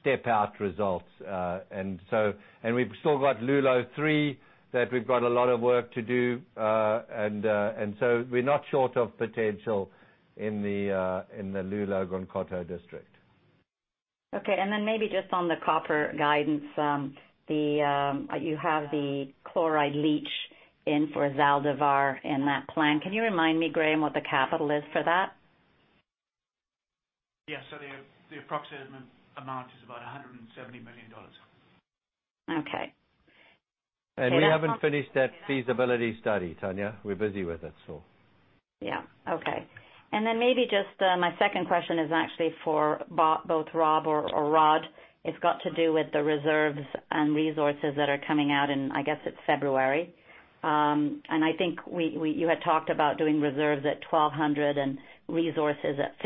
step-out results. We've still got Loulo 3 that we've got a lot of work to do. We're not short of potential in the Loulo Gounkoto district. Okay, maybe just on the copper guidance. You have the chloride leach in for Zaldivar in that plan. Can you remind me, Graham, what the capital is for that? Yes. The approximate amount is about $170 million. Okay. We haven't finished that feasibility study, Tanya. We're busy with it. Yeah. Okay. Maybe just my second question is actually for both Rob or Rob. It's got to do with the reserves and resources that are coming out in, I guess it's February. I think you had talked about doing reserves at $1,200 and resources at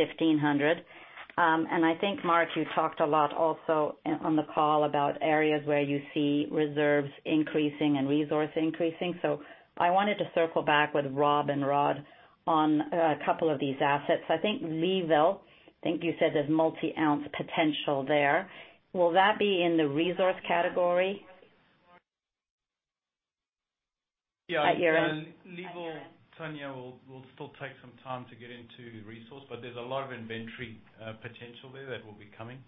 $1,500. I think, Mark, you talked a lot also on the call about areas where you see reserves increasing and resource increasing. I wanted to circle back with Rob and Rob on a couple of these assets. I think Leeville, I think you said there's multi ounce potential there. Will that be in the resource category? Yeah. At year end. Leeville, Tanya, will still take some time to get into resource, but there's a lot of inventory potential there that will be coming.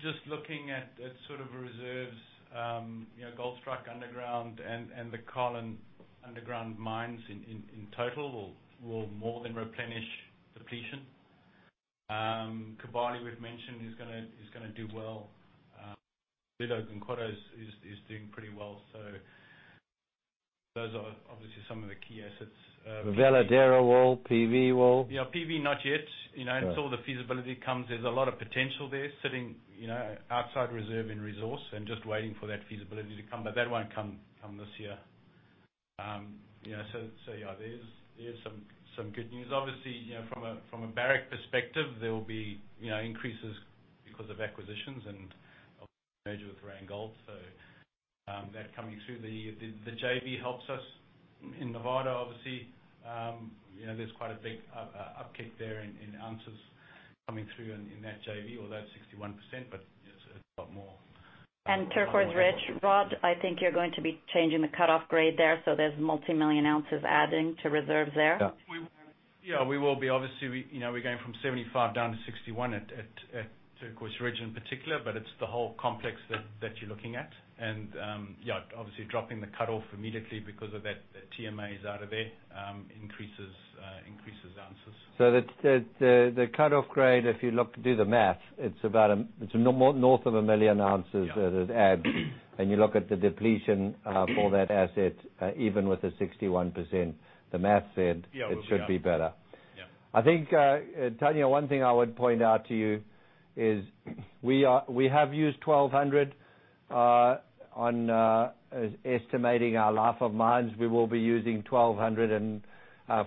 Just looking at sort of reserves, Gold Strike underground and the Carlin underground mines in total will more than replenish depletion. Kibali, we've mentioned, is going to do well. Loulo Gounkoto is doing pretty well. Those are obviously some of the key assets. Veladero ore, PV ore. Yeah, PV, not yet. Right. Until the feasibility comes. There's a lot of potential there sitting outside reserve in resource and just waiting for that feasibility to come, but that won't come this year. Yeah, there's some good news. Obviously, from a Barrick perspective, there will be increases because of acquisitions and obviously merger with Randgold. That coming through. The JV helps us in Nevada, obviously. There's quite a big uptick there in ounces coming through in that JV, although 61%, but it's a lot more. Turquoise Ridge. Rob, I think you're going to be changing the cutoff grade there, so there's multimillion ounces adding to reserves there. Yeah. Yeah, we will be. Obviously, we're going from 75 down to 61 at Turquoise Ridge in particular. It's the whole complex that you're looking at. Yeah, obviously dropping the cutoff immediately because of that TMA is out of there increases ounces. The cutoff grade, if you look to do the math, it's north of 1 million ounces that it adds. Yeah. You look at the depletion for that asset, even with the 61%, the math said it should be better. Yeah. I think, Tanya, one thing I would point out to you is we have used $1,200 on estimating our life of mines. We will be using $1,200 and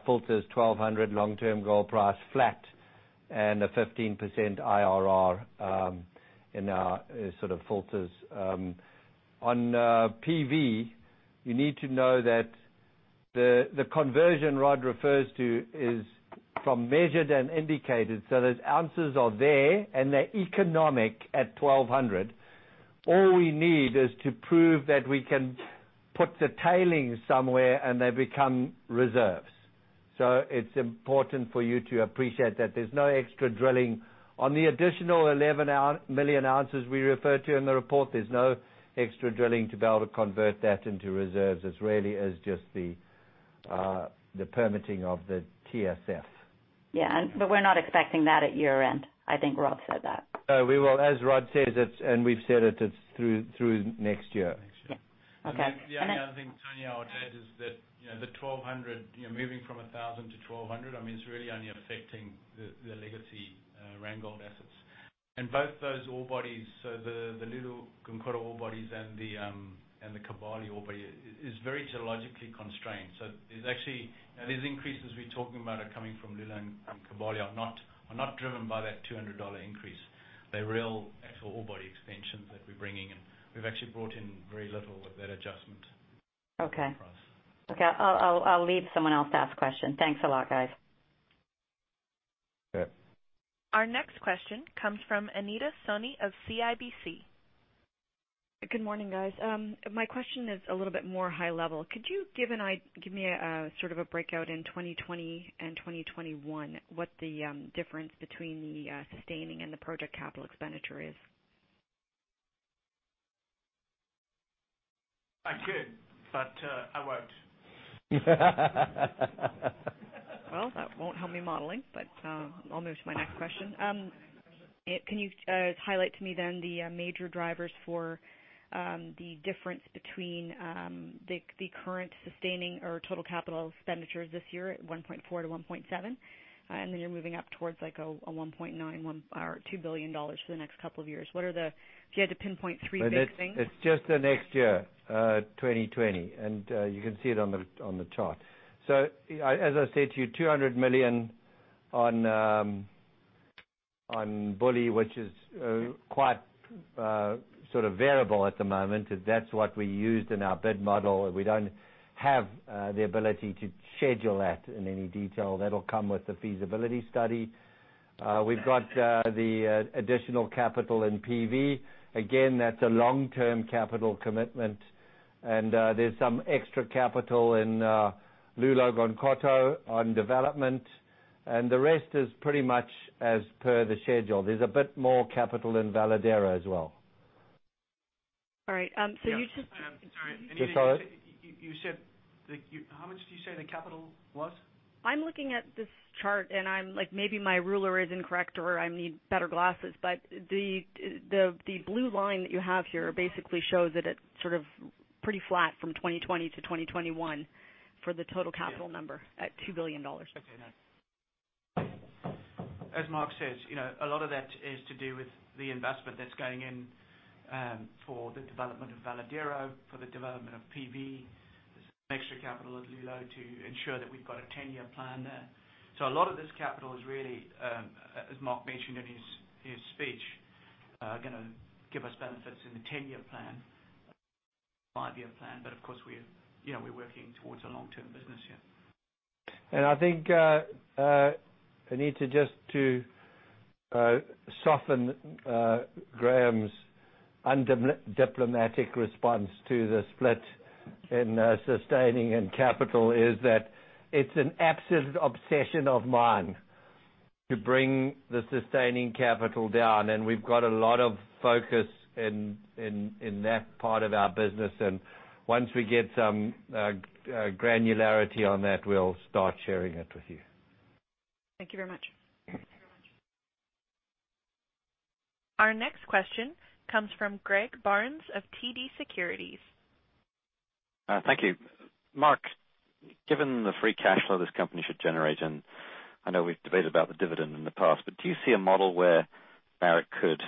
filters $1,200 long-term gold price flat and a 15% IRR in our sort of filters. On PV, you need to know that the conversion Rob refers to is from measured and indicated, so those ounces are there and they're economic at $1,200. All we need is to prove that we can put the tailings somewhere and they become reserves. It's important for you to appreciate that there's no extra drilling. On the additional 11 million ounces we refer to in the report, there's no extra drilling to be able to convert that into reserves. It's really is just the permitting of the TSF. Yeah. We're not expecting that at year-end. I think Rob said that. No, we will, as Rob says it, and we've said it's through next year. Yeah. Okay. The only other thing, Tanya, I would add is that the $1,200, moving from $1,000 to $,200, I mean, it's really only affecting the legacy Randgold assets. Both those ore bodies, so the Loulo Gounkoto ore bodies and the Kibali ore body is very geologically constrained. These increases we're talking about are coming from Loulo and Kibali are not driven by that $200 increase. They're real actual ore body expansions that we're bringing in. We've actually brought in very little with that adjustment. Okay in price. Okay. I'll leave someone else to ask questions. Thanks a lot, guys. Okay. Our next question comes from Anita Soni of CIBC. Good morning, guys. My question is a little bit more high level. Could you give me a sort of a breakout in 2020 and 2021, what the difference between the sustaining and the project capital expenditure is? I could, but I won't. Well, that won't help me modeling, but I'll move to my next question. Can you highlight to me then the major drivers for the difference between the current sustaining or total capital expenditures this year at $1.4 billion-$1.7 billion, and then you're moving up towards like a $1.9 billion or $2 billion for the next couple of years. If you had to pinpoint three big things? It's just the next year, 2020. You can see it on the chart. As I said to you, $200 million on Buly, which is quite sort of variable at the moment, is that's what we used in our bid model, and we don't have the ability to schedule that in any detail. That'll come with the feasibility study. We've got the additional capital in PV. Again, that's a long-term capital commitment. There's some extra capital in Loulo-Gounkoto on development, and the rest is pretty much as per the schedule. There's a bit more capital in Veladero as well. All right. Sorry. Anita- Just sorry? How much did you say the capital was? I'm looking at this chart, and maybe my ruler isn't correct or I need better glasses, but the blue line that you have here basically shows that it's sort of pretty flat from 2020 to 2021 for the total capital number at $2 billion. Okay, nice. As Mark says, a lot of that is to do with the investment that's going in for the development of Veladero, for the development of Pascua. There's some extra capital at Loulo to ensure that we've got a 10-year plan there. A lot of this capital is really, as Mark mentioned in his speech, going to give us benefits in the 10-year plan, five-year plan, but of course, we're working towards a long-term business here. I think, Anita, just to soften Graham's undiplomatic response to the split in sustaining and capital is that it's an absolute obsession of mine to bring the sustaining capital down, and we've got a lot of focus in that part of our business. Once we get some granularity on that, we'll start sharing it with you. Thank you very much. Our next question comes from Greg Barnes of TD Securities. Thank you. Mark, given the free cash flow this company should generate, and I know we've debated about the dividend in the past, but do you see a model where Barrick could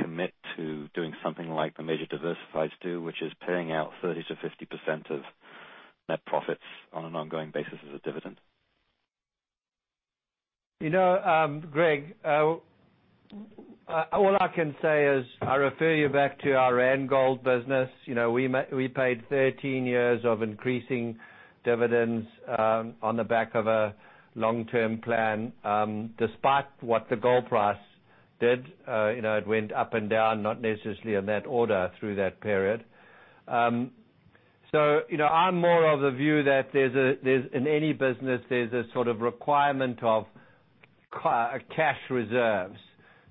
commit to doing something like the major diversifieds do, which is paying out 30%-50% of net profits on an ongoing basis as a dividend? Greg, all I can say is, I refer you back to our Randgold business. We paid 13 years of increasing dividends on the back of a long-term plan, despite what the gold price did. It went up and down, not necessarily in that order through that period. I'm more of the view that in any business, there's a sort of requirement of cash reserves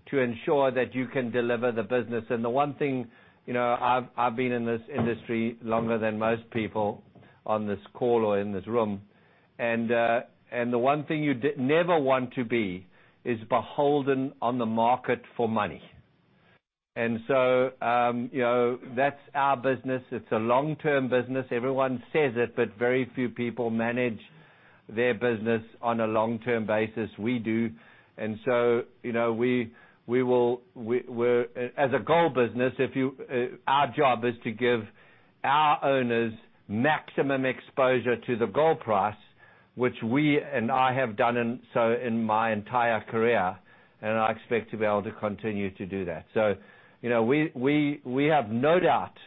to ensure that you can deliver the business. The one thing, I've been in this industry longer than most people on this call or in this room, and the one thing you never want to be is beholden on the market for money. That's our business. It's a long-term business. Everyone says it, but very few people manage their business on a long-term basis. We do. As a gold business, our job is to give our owners maximum exposure to the gold price, which we and I have done so in my entire career, and I expect to be able to continue to do that. We have no doubt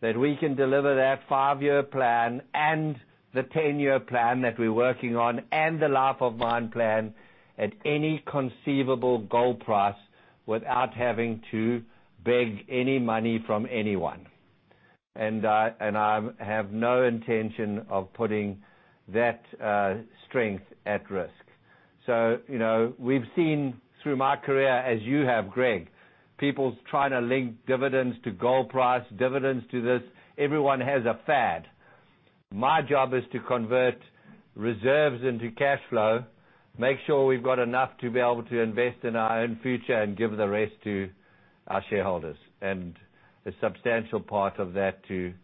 that we can deliver that five-year plan and the 10-year plan that we're working on and the life of mine plan at any conceivable gold price without having to beg any money from anyone. I have no intention of putting that strength at risk. We've seen through my career as you have, Greg, people trying to link dividends to gold price, dividends to this. Everyone has a fad. My job is to convert reserves into cash flow, make sure we've got enough to be able to invest in our own future and give the rest to our shareholders. A substantial part of that to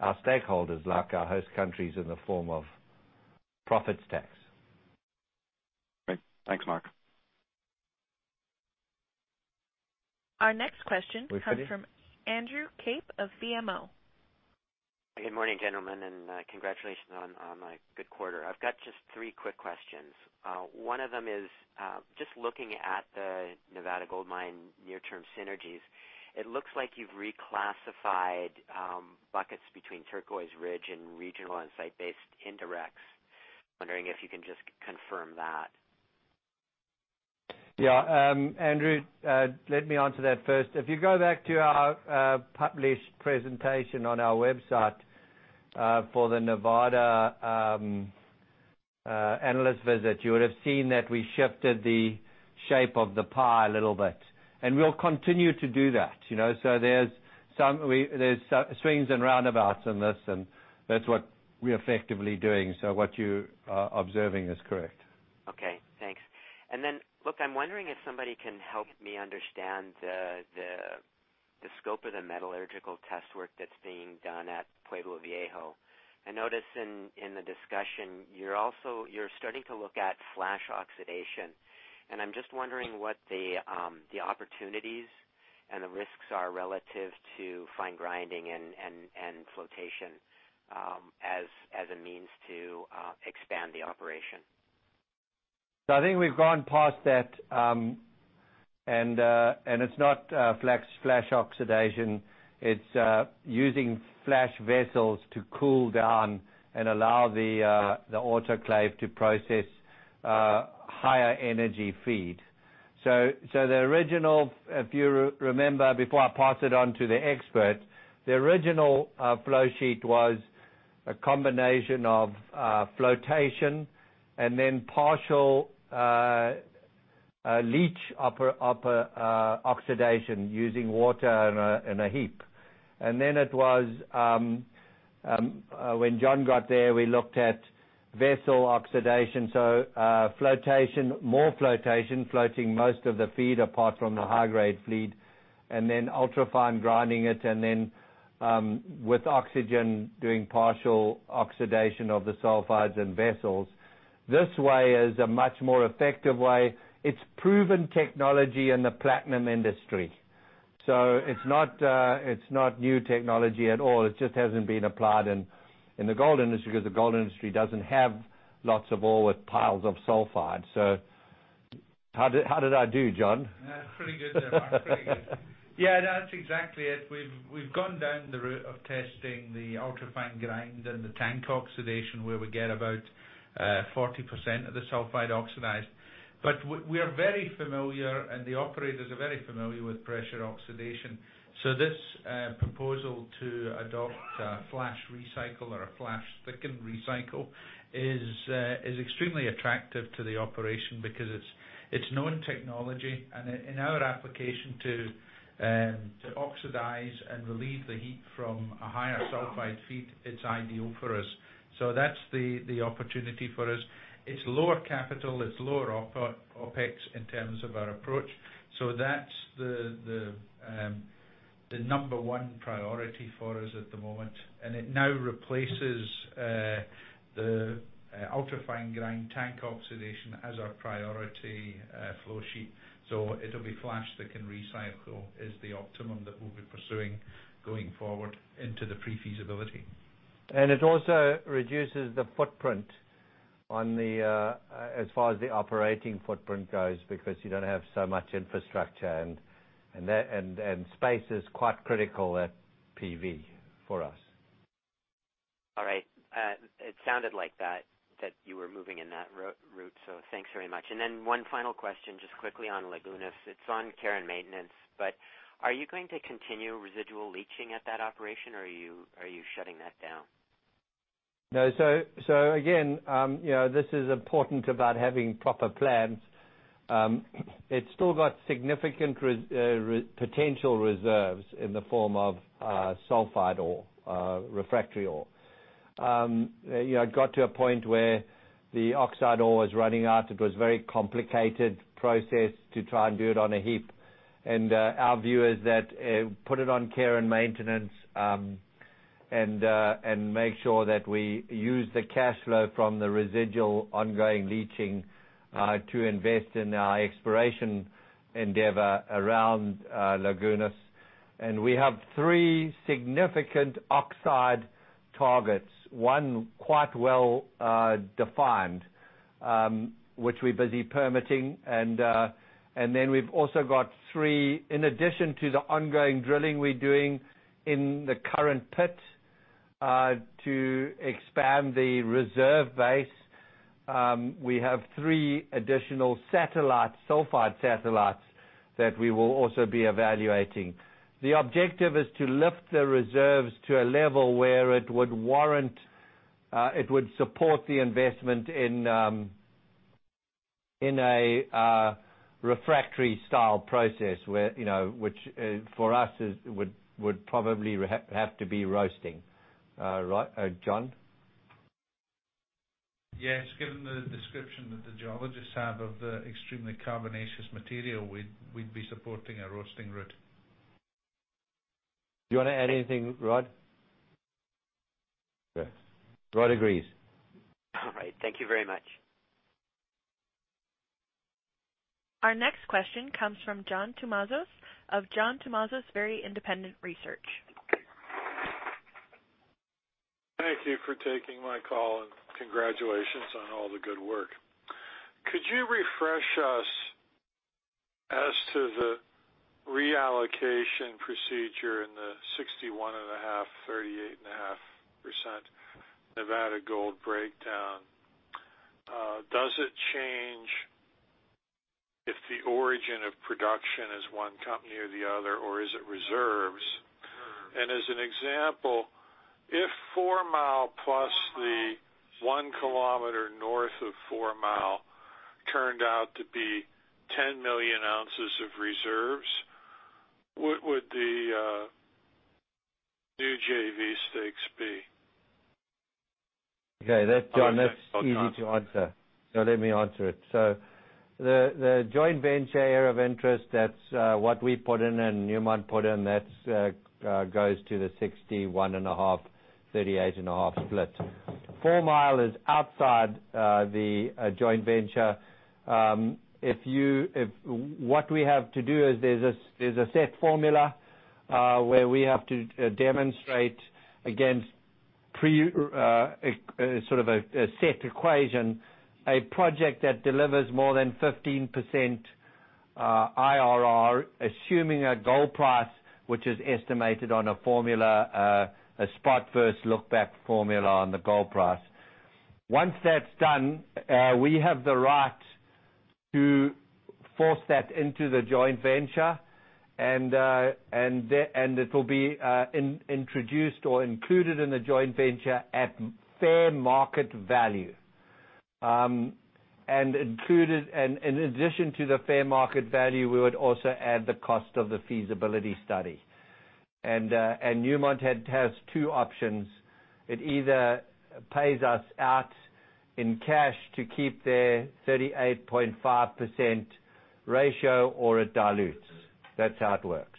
our stakeholders, like our host countries, in the form of profits tax. Great. Thanks, Mark. Our next question comes from Andrew Kaip of BMO. Good morning, gentlemen. Congratulations on a good quarter. I've got just three quick questions. One of them is, just looking at the Nevada Gold Mines near-term synergies, it looks like you've reclassified buckets between Turquoise Ridge and regional and site-based indirects. I'm wondering if you can just confirm that. Yeah. Andrew, let me answer that first. If you go back to our published presentation on our website for the Nevada analyst visit, you would have seen that we shifted the shape of the pie a little bit. We'll continue to do that. There's some swings and roundabouts in this, and that's what we're effectively doing. What you are observing is correct. Okay, thanks. Look, I'm wondering if somebody can help me understand the scope of the metallurgical test work that's being done at Pueblo Viejo. I notice in the discussion, you're starting to look at flash oxidation. I'm just wondering what the opportunities and the risks are relative to fine grinding and flotation as a means to expand the operation. I think we've gone past that, and it's not flash oxidation, it's using flash vessels to cool down and allow the autoclave to process higher energy feed. The original, if you remember, before I pass it on to the expert, the original flow sheet was a combination of flotation and then partial leach upper oxidation using water and a heap. When John got there, we looked at vessel oxidation. More flotation, floating most of the feed apart from the high-grade feed, and then ultra-fine grinding it and then with oxygen doing partial oxidation of the sulfides and vessels. This way is a much more effective way. It's proven technology in the platinum industry. It's not new technology at all. It just hasn't been applied in the gold industry, because the gold industry doesn't have lots of ore with piles of sulfide. How did I do, John? Pretty good there, Mark. Pretty good. Yeah, that's exactly it. We've gone down the route of testing the ultra-fine grind and the tank oxidation, where we get about 40% of the sulfide oxidized. We are very familiar, and the operators are very familiar with pressure oxidation. This proposal to adopt a flash recycle or a flash-thickened recycle is extremely attractive to the operation because it's known technology and in our application to oxidize and relieve the heat from a higher sulfide feed, it's ideal for us. That's the opportunity for us. It's lower capital, it's lower OpEx in terms of our approach. That's the number one priority for us at the moment. It now replaces the ultra-fine grind tank oxidation as our priority flow sheet. It'll be flash that can recycle is the optimum that we'll be pursuing going forward into the pre-feasibility. It also reduces the footprint as far as the operating footprint goes, because you don't have so much infrastructure, and space is quite critical at PV for us. All right. It sounded like that you were moving in that route. Thanks very much. One final question, just quickly on Lagunas. It's on care and maintenance, but are you going to continue residual leaching at that operation, or are you shutting that down? No. Again, this is important about having proper plans. It's still got significant potential reserves in the form of sulfide ore, refractory ore. It got to a point where the oxide ore was running out. It was very complicated process to try and do it on a heap. Our view is that put it on care and maintenance, and make sure that we use the cash flow from the residual ongoing leaching to invest in our exploration endeavor around Lagunas. We have three significant oxide targets, one quite well-defined, which we're busy permitting. We've also got three in addition to the ongoing drilling we're doing in the current pit to expand the reserve base. We have three additional sulfide satellites that we will also be evaluating. The objective is to lift the reserves to a level where it would support the investment in a refractory style process which for us would probably have to be roasting. Right, John? Yes, given the description that the geologists have of the extremely carbonaceous material, we'd be supporting a roasting route. Do you want to add anything, Rob? Good. Rob agrees. All right. Thank you very much. Our next question comes from John Tumazos of John Tumazos Very Independent Research. Thank you for taking my call. Congratulations on all the good work. Could you refresh us as to the reallocation procedure in the 61.5%, 38.5% Nevada Gold breakdown? Does it change the origin of production is one company or the other, or is it reserves? As an example, if Fourmile plus the one km north of Fourmile turned out to be 10 million ounces of reserves, what would the new JV stakes be? Okay, John, that's easy to answer. Let me answer it. The joint venture area of interest, that's what we put in and Newmont put in, that goes to the 61.5/38.5 split. Fourmile is outside the joint venture. What we have to do is there's a set formula, where we have to demonstrate against a set equation, a project that delivers more than 15% IRR, assuming a gold price which is estimated on a formula, a spot first look back formula on the gold price. Once that's done, we have the right to force that into the joint venture and it'll be introduced or included in the joint venture at fair market value. In addition to the fair market value, we would also add the cost of the feasibility study. Newmont has two options. It either pays us out in cash to keep their 38.5% ratio or it dilutes. That's how it works.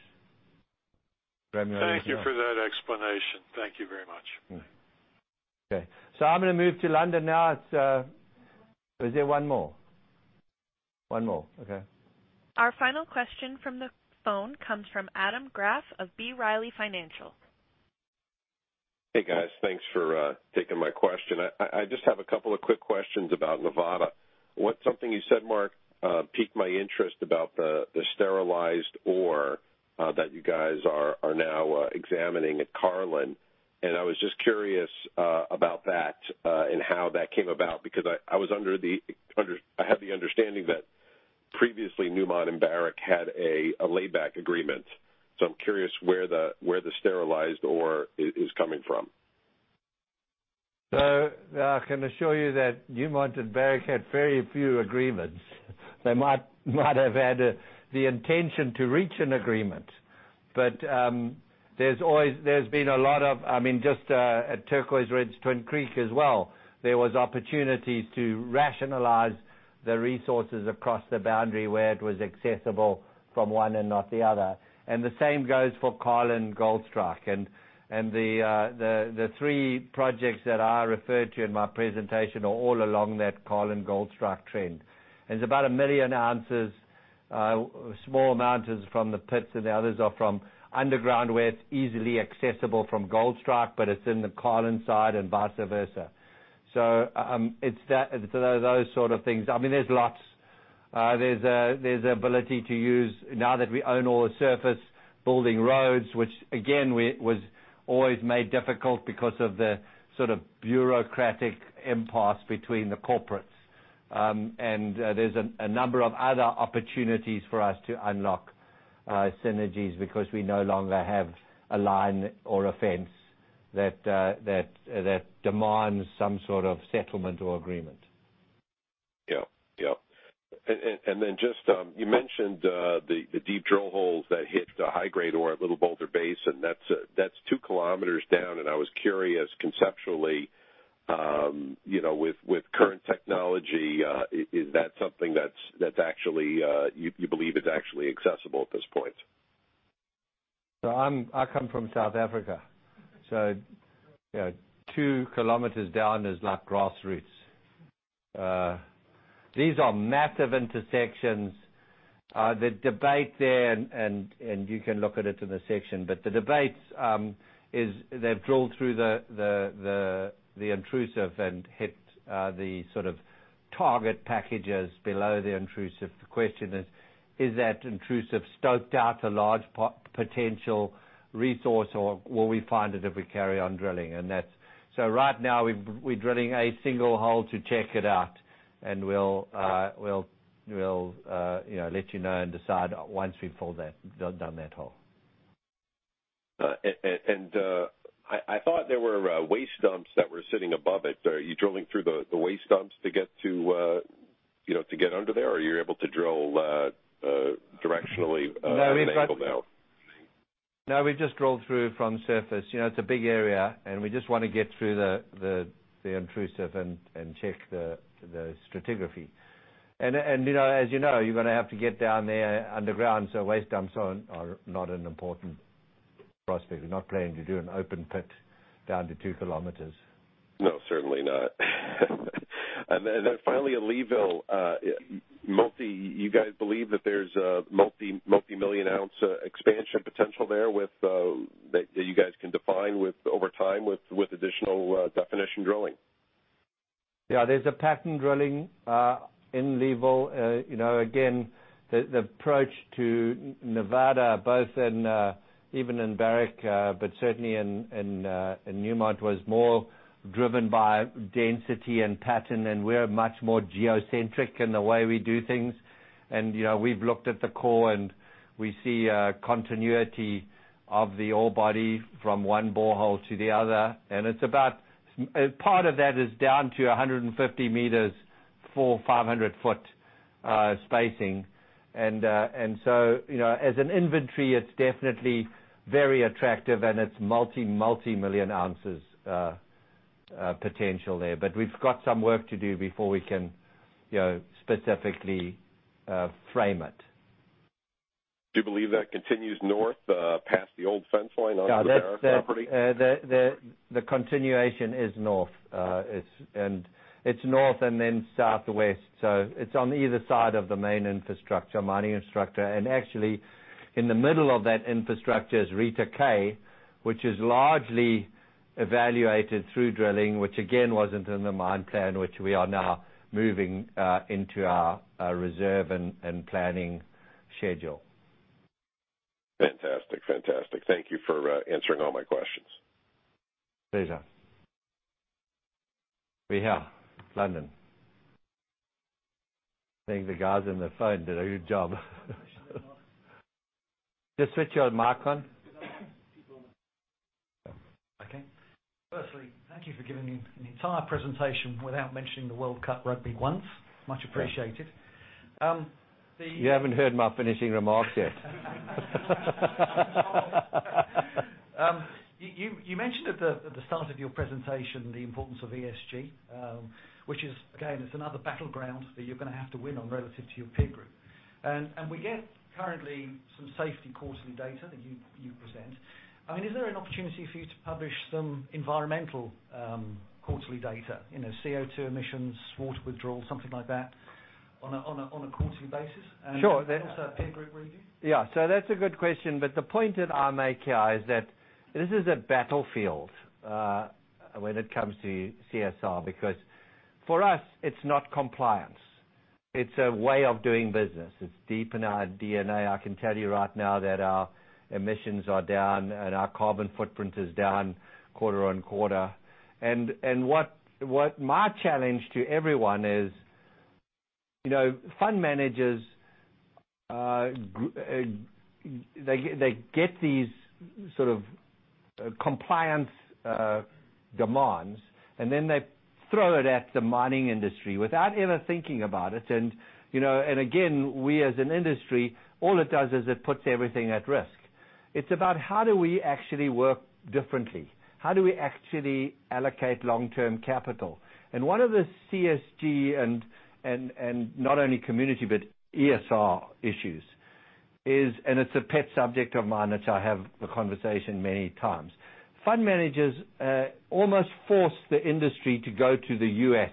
Thank you for that explanation. Thank you very much. Okay. I'm going to move to London now. Is there one more? One more, okay. Our final question from the phone comes from Adam Graf of B. Riley Financial. Hey, guys. Thanks for taking my question. I just have a couple of quick questions about Nevada. Something you said, Mark, piqued my interest about the sterilized ore that you guys are now examining at Carlin, and I was just curious about that, and how that came about, because I had the understanding that previously Newmont and Barrick had a layback agreement. I'm curious where the sterilized ore is coming from. I can assure you that Newmont and Barrick had very few agreements. They might have had the intention to reach an agreement, but there's been a lot of, just at Turquoise Ridge, Twin Creek as well, there was opportunities to rationalize the resources across the boundary where it was accessible from one and not the other. The same goes for Carlin Goldstrike. The three projects that I referred to in my presentation are all along that Carlin Goldstrike trend. It's about 1 million ounces, small amounts is from the pits and the others are from underground where it's easily accessible from Goldstrike, but it's in the Carlin side and vice versa. It's those sort of things. There's lots. There's the ability to use, now that we own all the surface, building roads, which again, was always made difficult because of the sort of bureaucratic impasse between the corporates. There's a number of other opportunities for us to unlock synergies because we no longer have a line or a fence that demands some sort of settlement or agreement. Yep. Then just, you mentioned the deep drill holes that hit the high-grade ore at Little Boulder Basin, and that's two km down, and I was curious conceptually, with current technology, is that something that you believe is actually accessible at this point? I come from South Africa, so two kilometers down is like grassroots. These are massive intersections. The debate there, and you can look at it in the section, but the debate is they've drilled through the intrusive and hit the sort of target packages below the intrusive. The question is that intrusive stoked out a large potential resource or will we find it if we carry on drilling? Right now we're drilling a single hole to check it out, and we'll let you know and decide once we've done that hole. I thought there were waste dumps that were sitting above it. Are you drilling through the waste dumps to get under there, or are you able to drill directionally at an angle down? No, we've just drilled through from surface. It's a big area, and we just want to get through the intrusive and check the stratigraphy. As you know, you're going to have to get down there underground, so waste dumps are not an important prospect. We're not planning to do an open pit down to two kilometers. No, certainly not. Finally, at Leeville, you guys believe that there's a multimillion-ounce expansion potential there that you guys can define over time with additional definition drilling? Yeah. There's a pattern drilling in Leeville. The approach to Nevada, both in, even in Barrick, but certainly in Newmont, was more driven by density and pattern, and we're much more geocentric in the way we do things. We've looked at the core and we see a continuity of the ore body from one borehole to the other. Part of that is down to 150 meters, 400, 500 ft spacing. As an inventory, it's definitely very attractive and it's multi-million ounces potential there. We've got some work to do before we can specifically frame it. Do you believe that continues north, past the old fence line onto Barrick property? The continuation is north. It's north and then southwest. It's on either side of the main infrastructure, mining structure. Actually, in the middle of that infrastructure is Rita K, which is largely evaluated through drilling, which again, wasn't in the mine plan, which we are now moving into our reserve and planning schedule. Fantastic. Thank you for answering all my questions. Pleasure. We're here, London. I think the guys on the phone did a good job. Just switch your mic on. Okay. Firstly, thank you for giving an entire presentation without mentioning the World Cup Rugby once. Much appreciated. You haven't heard my finishing remarks yet. You mentioned at the start of your presentation the importance of ESG, which is, again, it's another battleground that you're going to have to win on relative to your peer group. We get currently some safety quarterly data that you present. Is there an opportunity for you to publish some environmental quarterly data, CO2 emissions, water withdrawal, something like that on a quarterly basis? Sure. Also a peer group review? Yeah. That's a good question, but the point that I'm making here is that this is a battlefield when it comes to CSR, because for us, it's not compliance. It's a way of doing business. It's deep in our DNA. I can tell you right now that our emissions are down and our carbon footprint is down quarter on quarter. What my challenge to everyone is, fund managers, they get these sort of compliance demands, and then they throw it at the mining industry without ever thinking about it. Again, we as an industry, all it does is it puts everything at risk. It's about how do we actually work differently? How do we actually allocate long-term capital? One of the CSR and not only community, but ESG issues is, and it's a pet subject of mine, which I have the conversation many times. Fund managers almost force the industry to go to the U.S.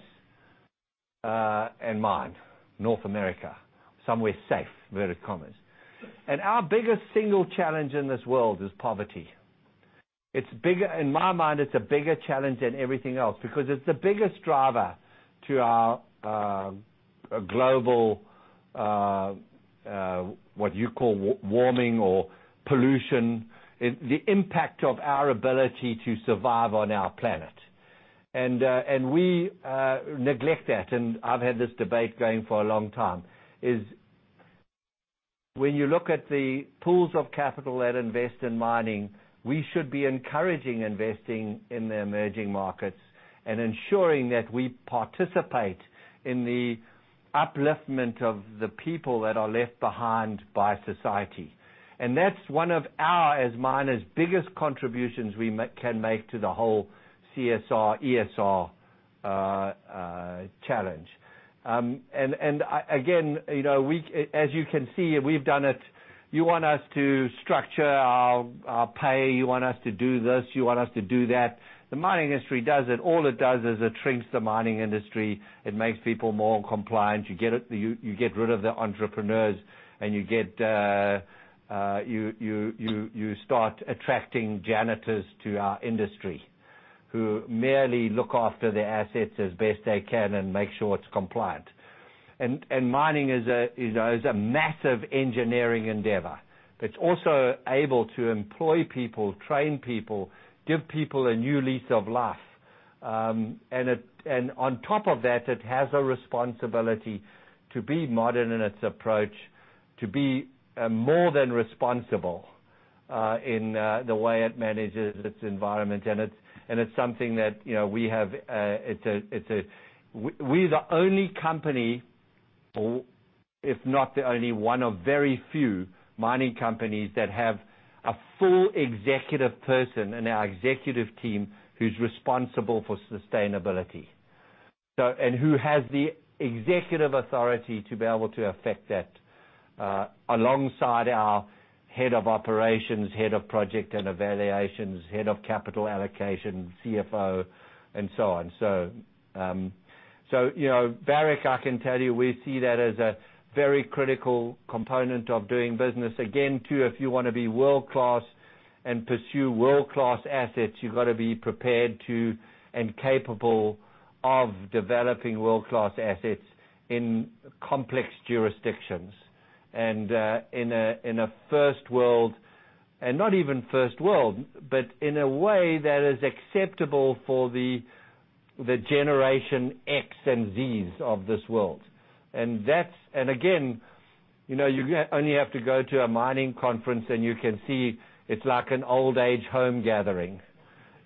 and mine, North America, somewhere safe, inverted commas. Our biggest single challenge in this world is poverty. In my mind, it's a bigger challenge than everything else because it's the biggest driver to our global, what you call warming or pollution, the impact of our ability to survive on our planet. We neglect that, and I've had this debate going for a long time, is when you look at the pools of capital that invest in mining, we should be encouraging investing in the emerging markets and ensuring that we participate in the upliftment of the people that are left behind by society. That's one of our, as miners, biggest contributions we can make to the whole CSR, ESG challenge. Again, as you can see, we've done it. You want us to structure our pay, you want us to do this, you want us to do that. The mining industry does it. All it does is it shrinks the mining industry. It makes people more compliant. You get rid of the entrepreneurs and you start attracting janitors to our industry who merely look after the assets as best they can and make sure it's compliant. Mining is a massive engineering endeavor that's also able to employ people, train people, give people a new lease of life. On top of that, it has a responsibility to be modern in its approach, to be more than responsible in the way it manages its environment. It's something that we're the only company, if not the only one of very few mining companies that have a full executive person in our executive team who's responsible for sustainability, and who has the executive authority to be able to affect that alongside our head of operations, head of project and evaluations, head of capital allocation, CFO, and so on. Barrick, I can tell you, we see that as a very critical component of doing business. Again, too, if you want to be world-class and pursue world-class assets, you've got to be prepared to and capable of developing world-class assets in complex jurisdictions. In a first world, and not even first world, but in a way that is acceptable for the Generation X and Zs of this world. Again, you only have to go to a mining conference and you can see it's like an old age home gathering.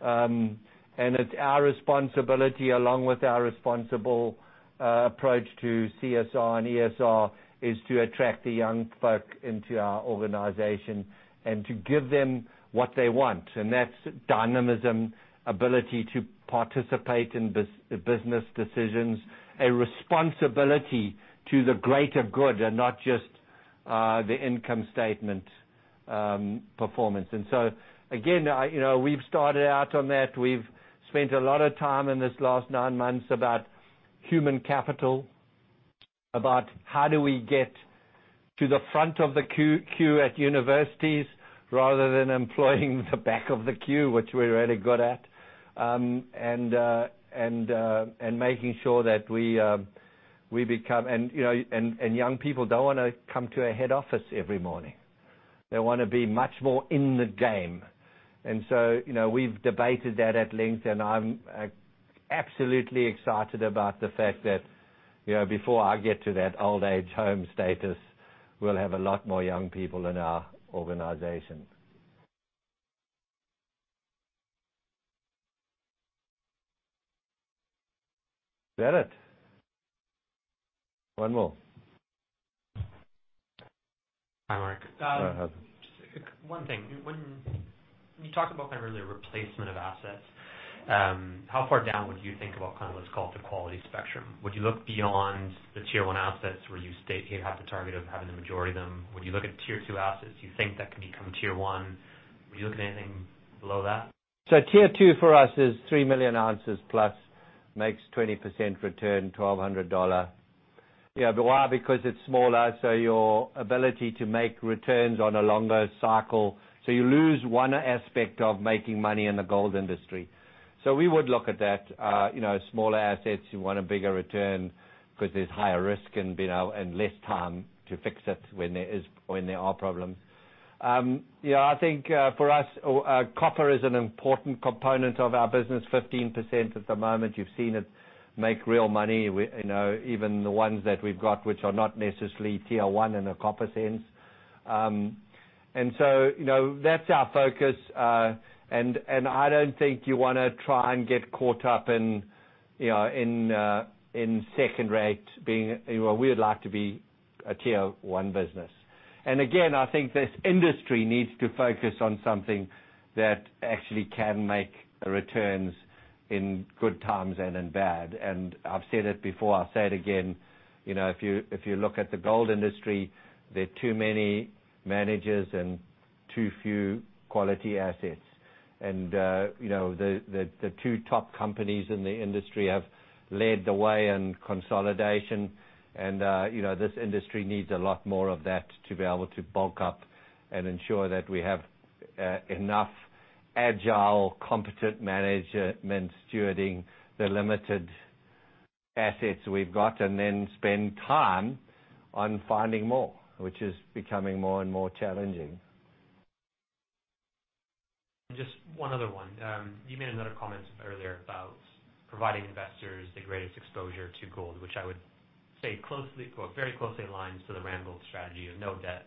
It's our responsibility, along with our responsible approach to CSR and ESG, is to attract the young folk into our organization and to give them what they want. That's dynamism, ability to participate in business decisions, a responsibility to the greater good and not just the income statement performance. Again, we've started out on that. We've spent a lot of time in these last nine months about human capital, about how do we get to the front of the queue at universities rather than employing the back of the queue, which we're really good at. Making sure that young people don't want to come to a head office every morning. They want to be much more in the game. We've debated that at length, and I'm absolutely excited about the fact that before I get to that old age home status, we'll have a lot more young people in our organization. Is that it? One more. Hi, Mark. Hi, Hudson. Just one thing. When you talk about really replacement of assets, how far down would you think about what's called the quality spectrum? Would you look beyond the tier 1 assets where you have the target of having the majority of them? Would you look at tier 2 assets you think that can become tier 1? Would you look at anything below that? Tier 2 for us is 3 million ounces plus, makes 20% return, $1,200. Why? Because it's smaller, so your ability to make returns on a longer cycle, so you lose one aspect of making money in the gold industry. We would look at that. Smaller assets, you want a bigger return because there's higher risk and less time to fix it when there are problems. I think for us, copper is an important component of our business, 15% at the moment. You've seen it make real money, even the ones that we've got, which are not necessarily tier 1 in a copper sense. That's our focus. I don't think you want to try and get caught up in second rate. We would like to be a tier 1 business. Again, I think this industry needs to focus on something that actually can make returns in good times and in bad. I've said it before, I'll say it again, if you look at the gold industry, there are too many managers and too few quality assets. The two top companies in the industry have led the way in consolidation. This industry needs a lot more of that to be able to bulk up and ensure that we have enough agile, competent management stewarding the limited assets we've got, and then spend time on finding more, which is becoming more and more challenging. Just one other one. You made another comment earlier about providing investors the greatest exposure to gold, which I would say very closely aligns to the Randgold strategy of no debt,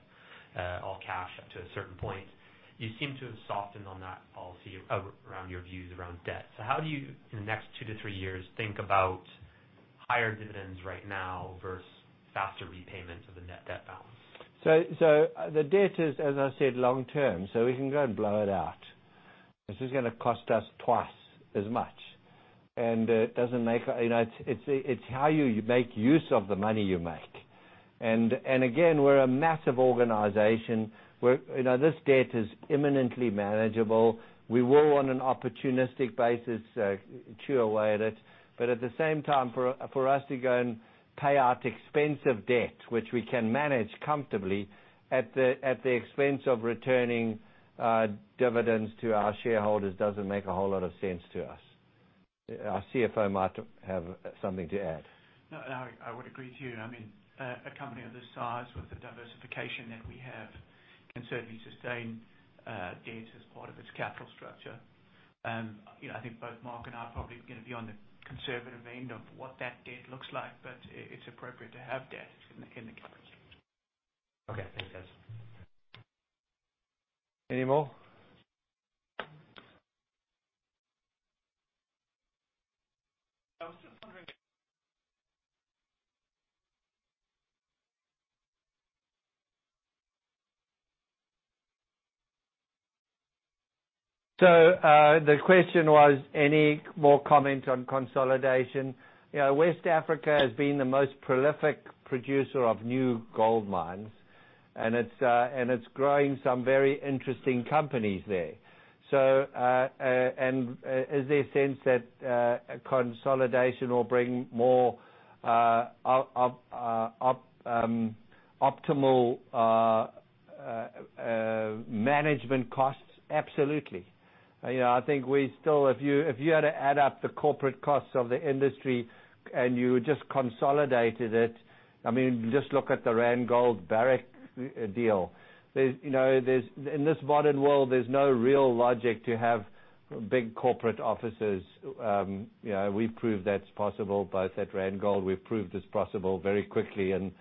all cash up to a certain point. You seem to have softened on that policy around your views around debt. How do you, in the next two to three years, think about higher dividends right now versus faster repayments of the net debt balance? The debt is, as I said, long-term, so we can go and blow it out. This is going to cost us twice as much. It's how you make use of the money you make. Again, we're a massive organization. This debt is imminently manageable. We will, on an opportunistic basis, chew away at it. At the same time, for us to go and pay out expensive debt, which we can manage comfortably, at the expense of returning dividends to our shareholders, doesn't make a whole lot of sense to us. Our CFO might have something to add. No, I would agree with you. A company of this size with the diversification that we have can certainly sustain debts as part of its capital structure. I think both Mark and I probably are going to be on the conservative end of what that debt looks like, but it's appropriate to have debt in the company. Okay. Thanks, guys. Any more? The question was, any more comment on consolidation? West Africa has been the most prolific producer of new gold mines, and it's growing some very interesting companies there. Is there a sense that consolidation will bring more optimal-Management costs? Absolutely. I think if you had to add up the corporate costs of the industry and you just consolidated it, just look at the Randgold Barrick deal. In this modern world, there's no real logic to have big corporate offices. We've proved that's possible both at Randgold. We've proved it's possible very quickly in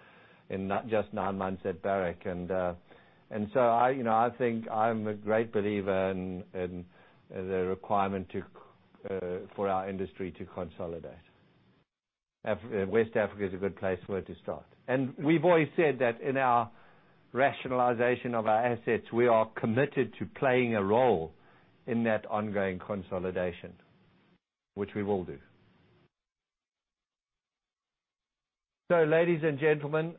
just nine months at Barrick. I think I'm a great believer in the requirement for our industry to consolidate. West Africa is a good place for it to start. We've always said that in our rationalization of our assets, we are committed to playing a role in that ongoing consolidation, which we will do. Ladies and gentlemen,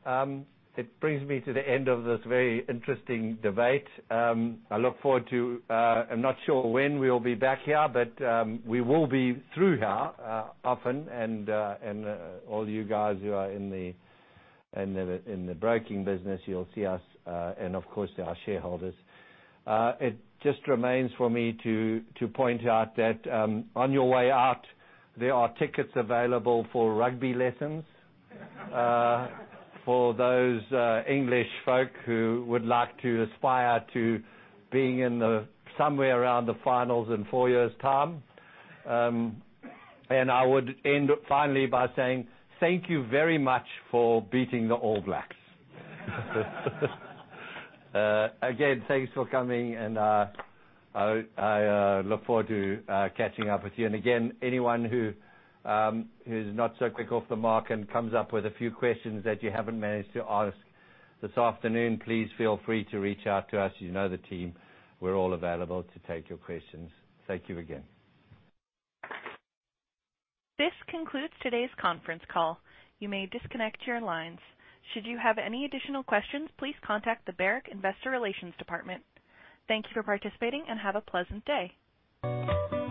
it brings me to the end of this very interesting debate. I'm not sure when we'll be back here, but we will be through here often and all you guys who are in the broking business, you'll see us, and of course, our shareholders. It just remains for me to point out that on your way out, there are tickets available for rugby lessons for those English folk who would like to aspire to being somewhere around the finals in four years' time. I would end finally by saying thank you very much for beating the All Blacks. Again, thanks for coming and I look forward to catching up with you. Again, anyone who is not so quick off the mark and comes up with a few questions that you haven't managed to ask this afternoon, please feel free to reach out to us. You know the team. We're all available to take your questions. Thank you again. This concludes today's conference call. You may disconnect your lines. Should you have any additional questions, please contact the Barrick Investor Relations department. Thank you for participating and have a pleasant day.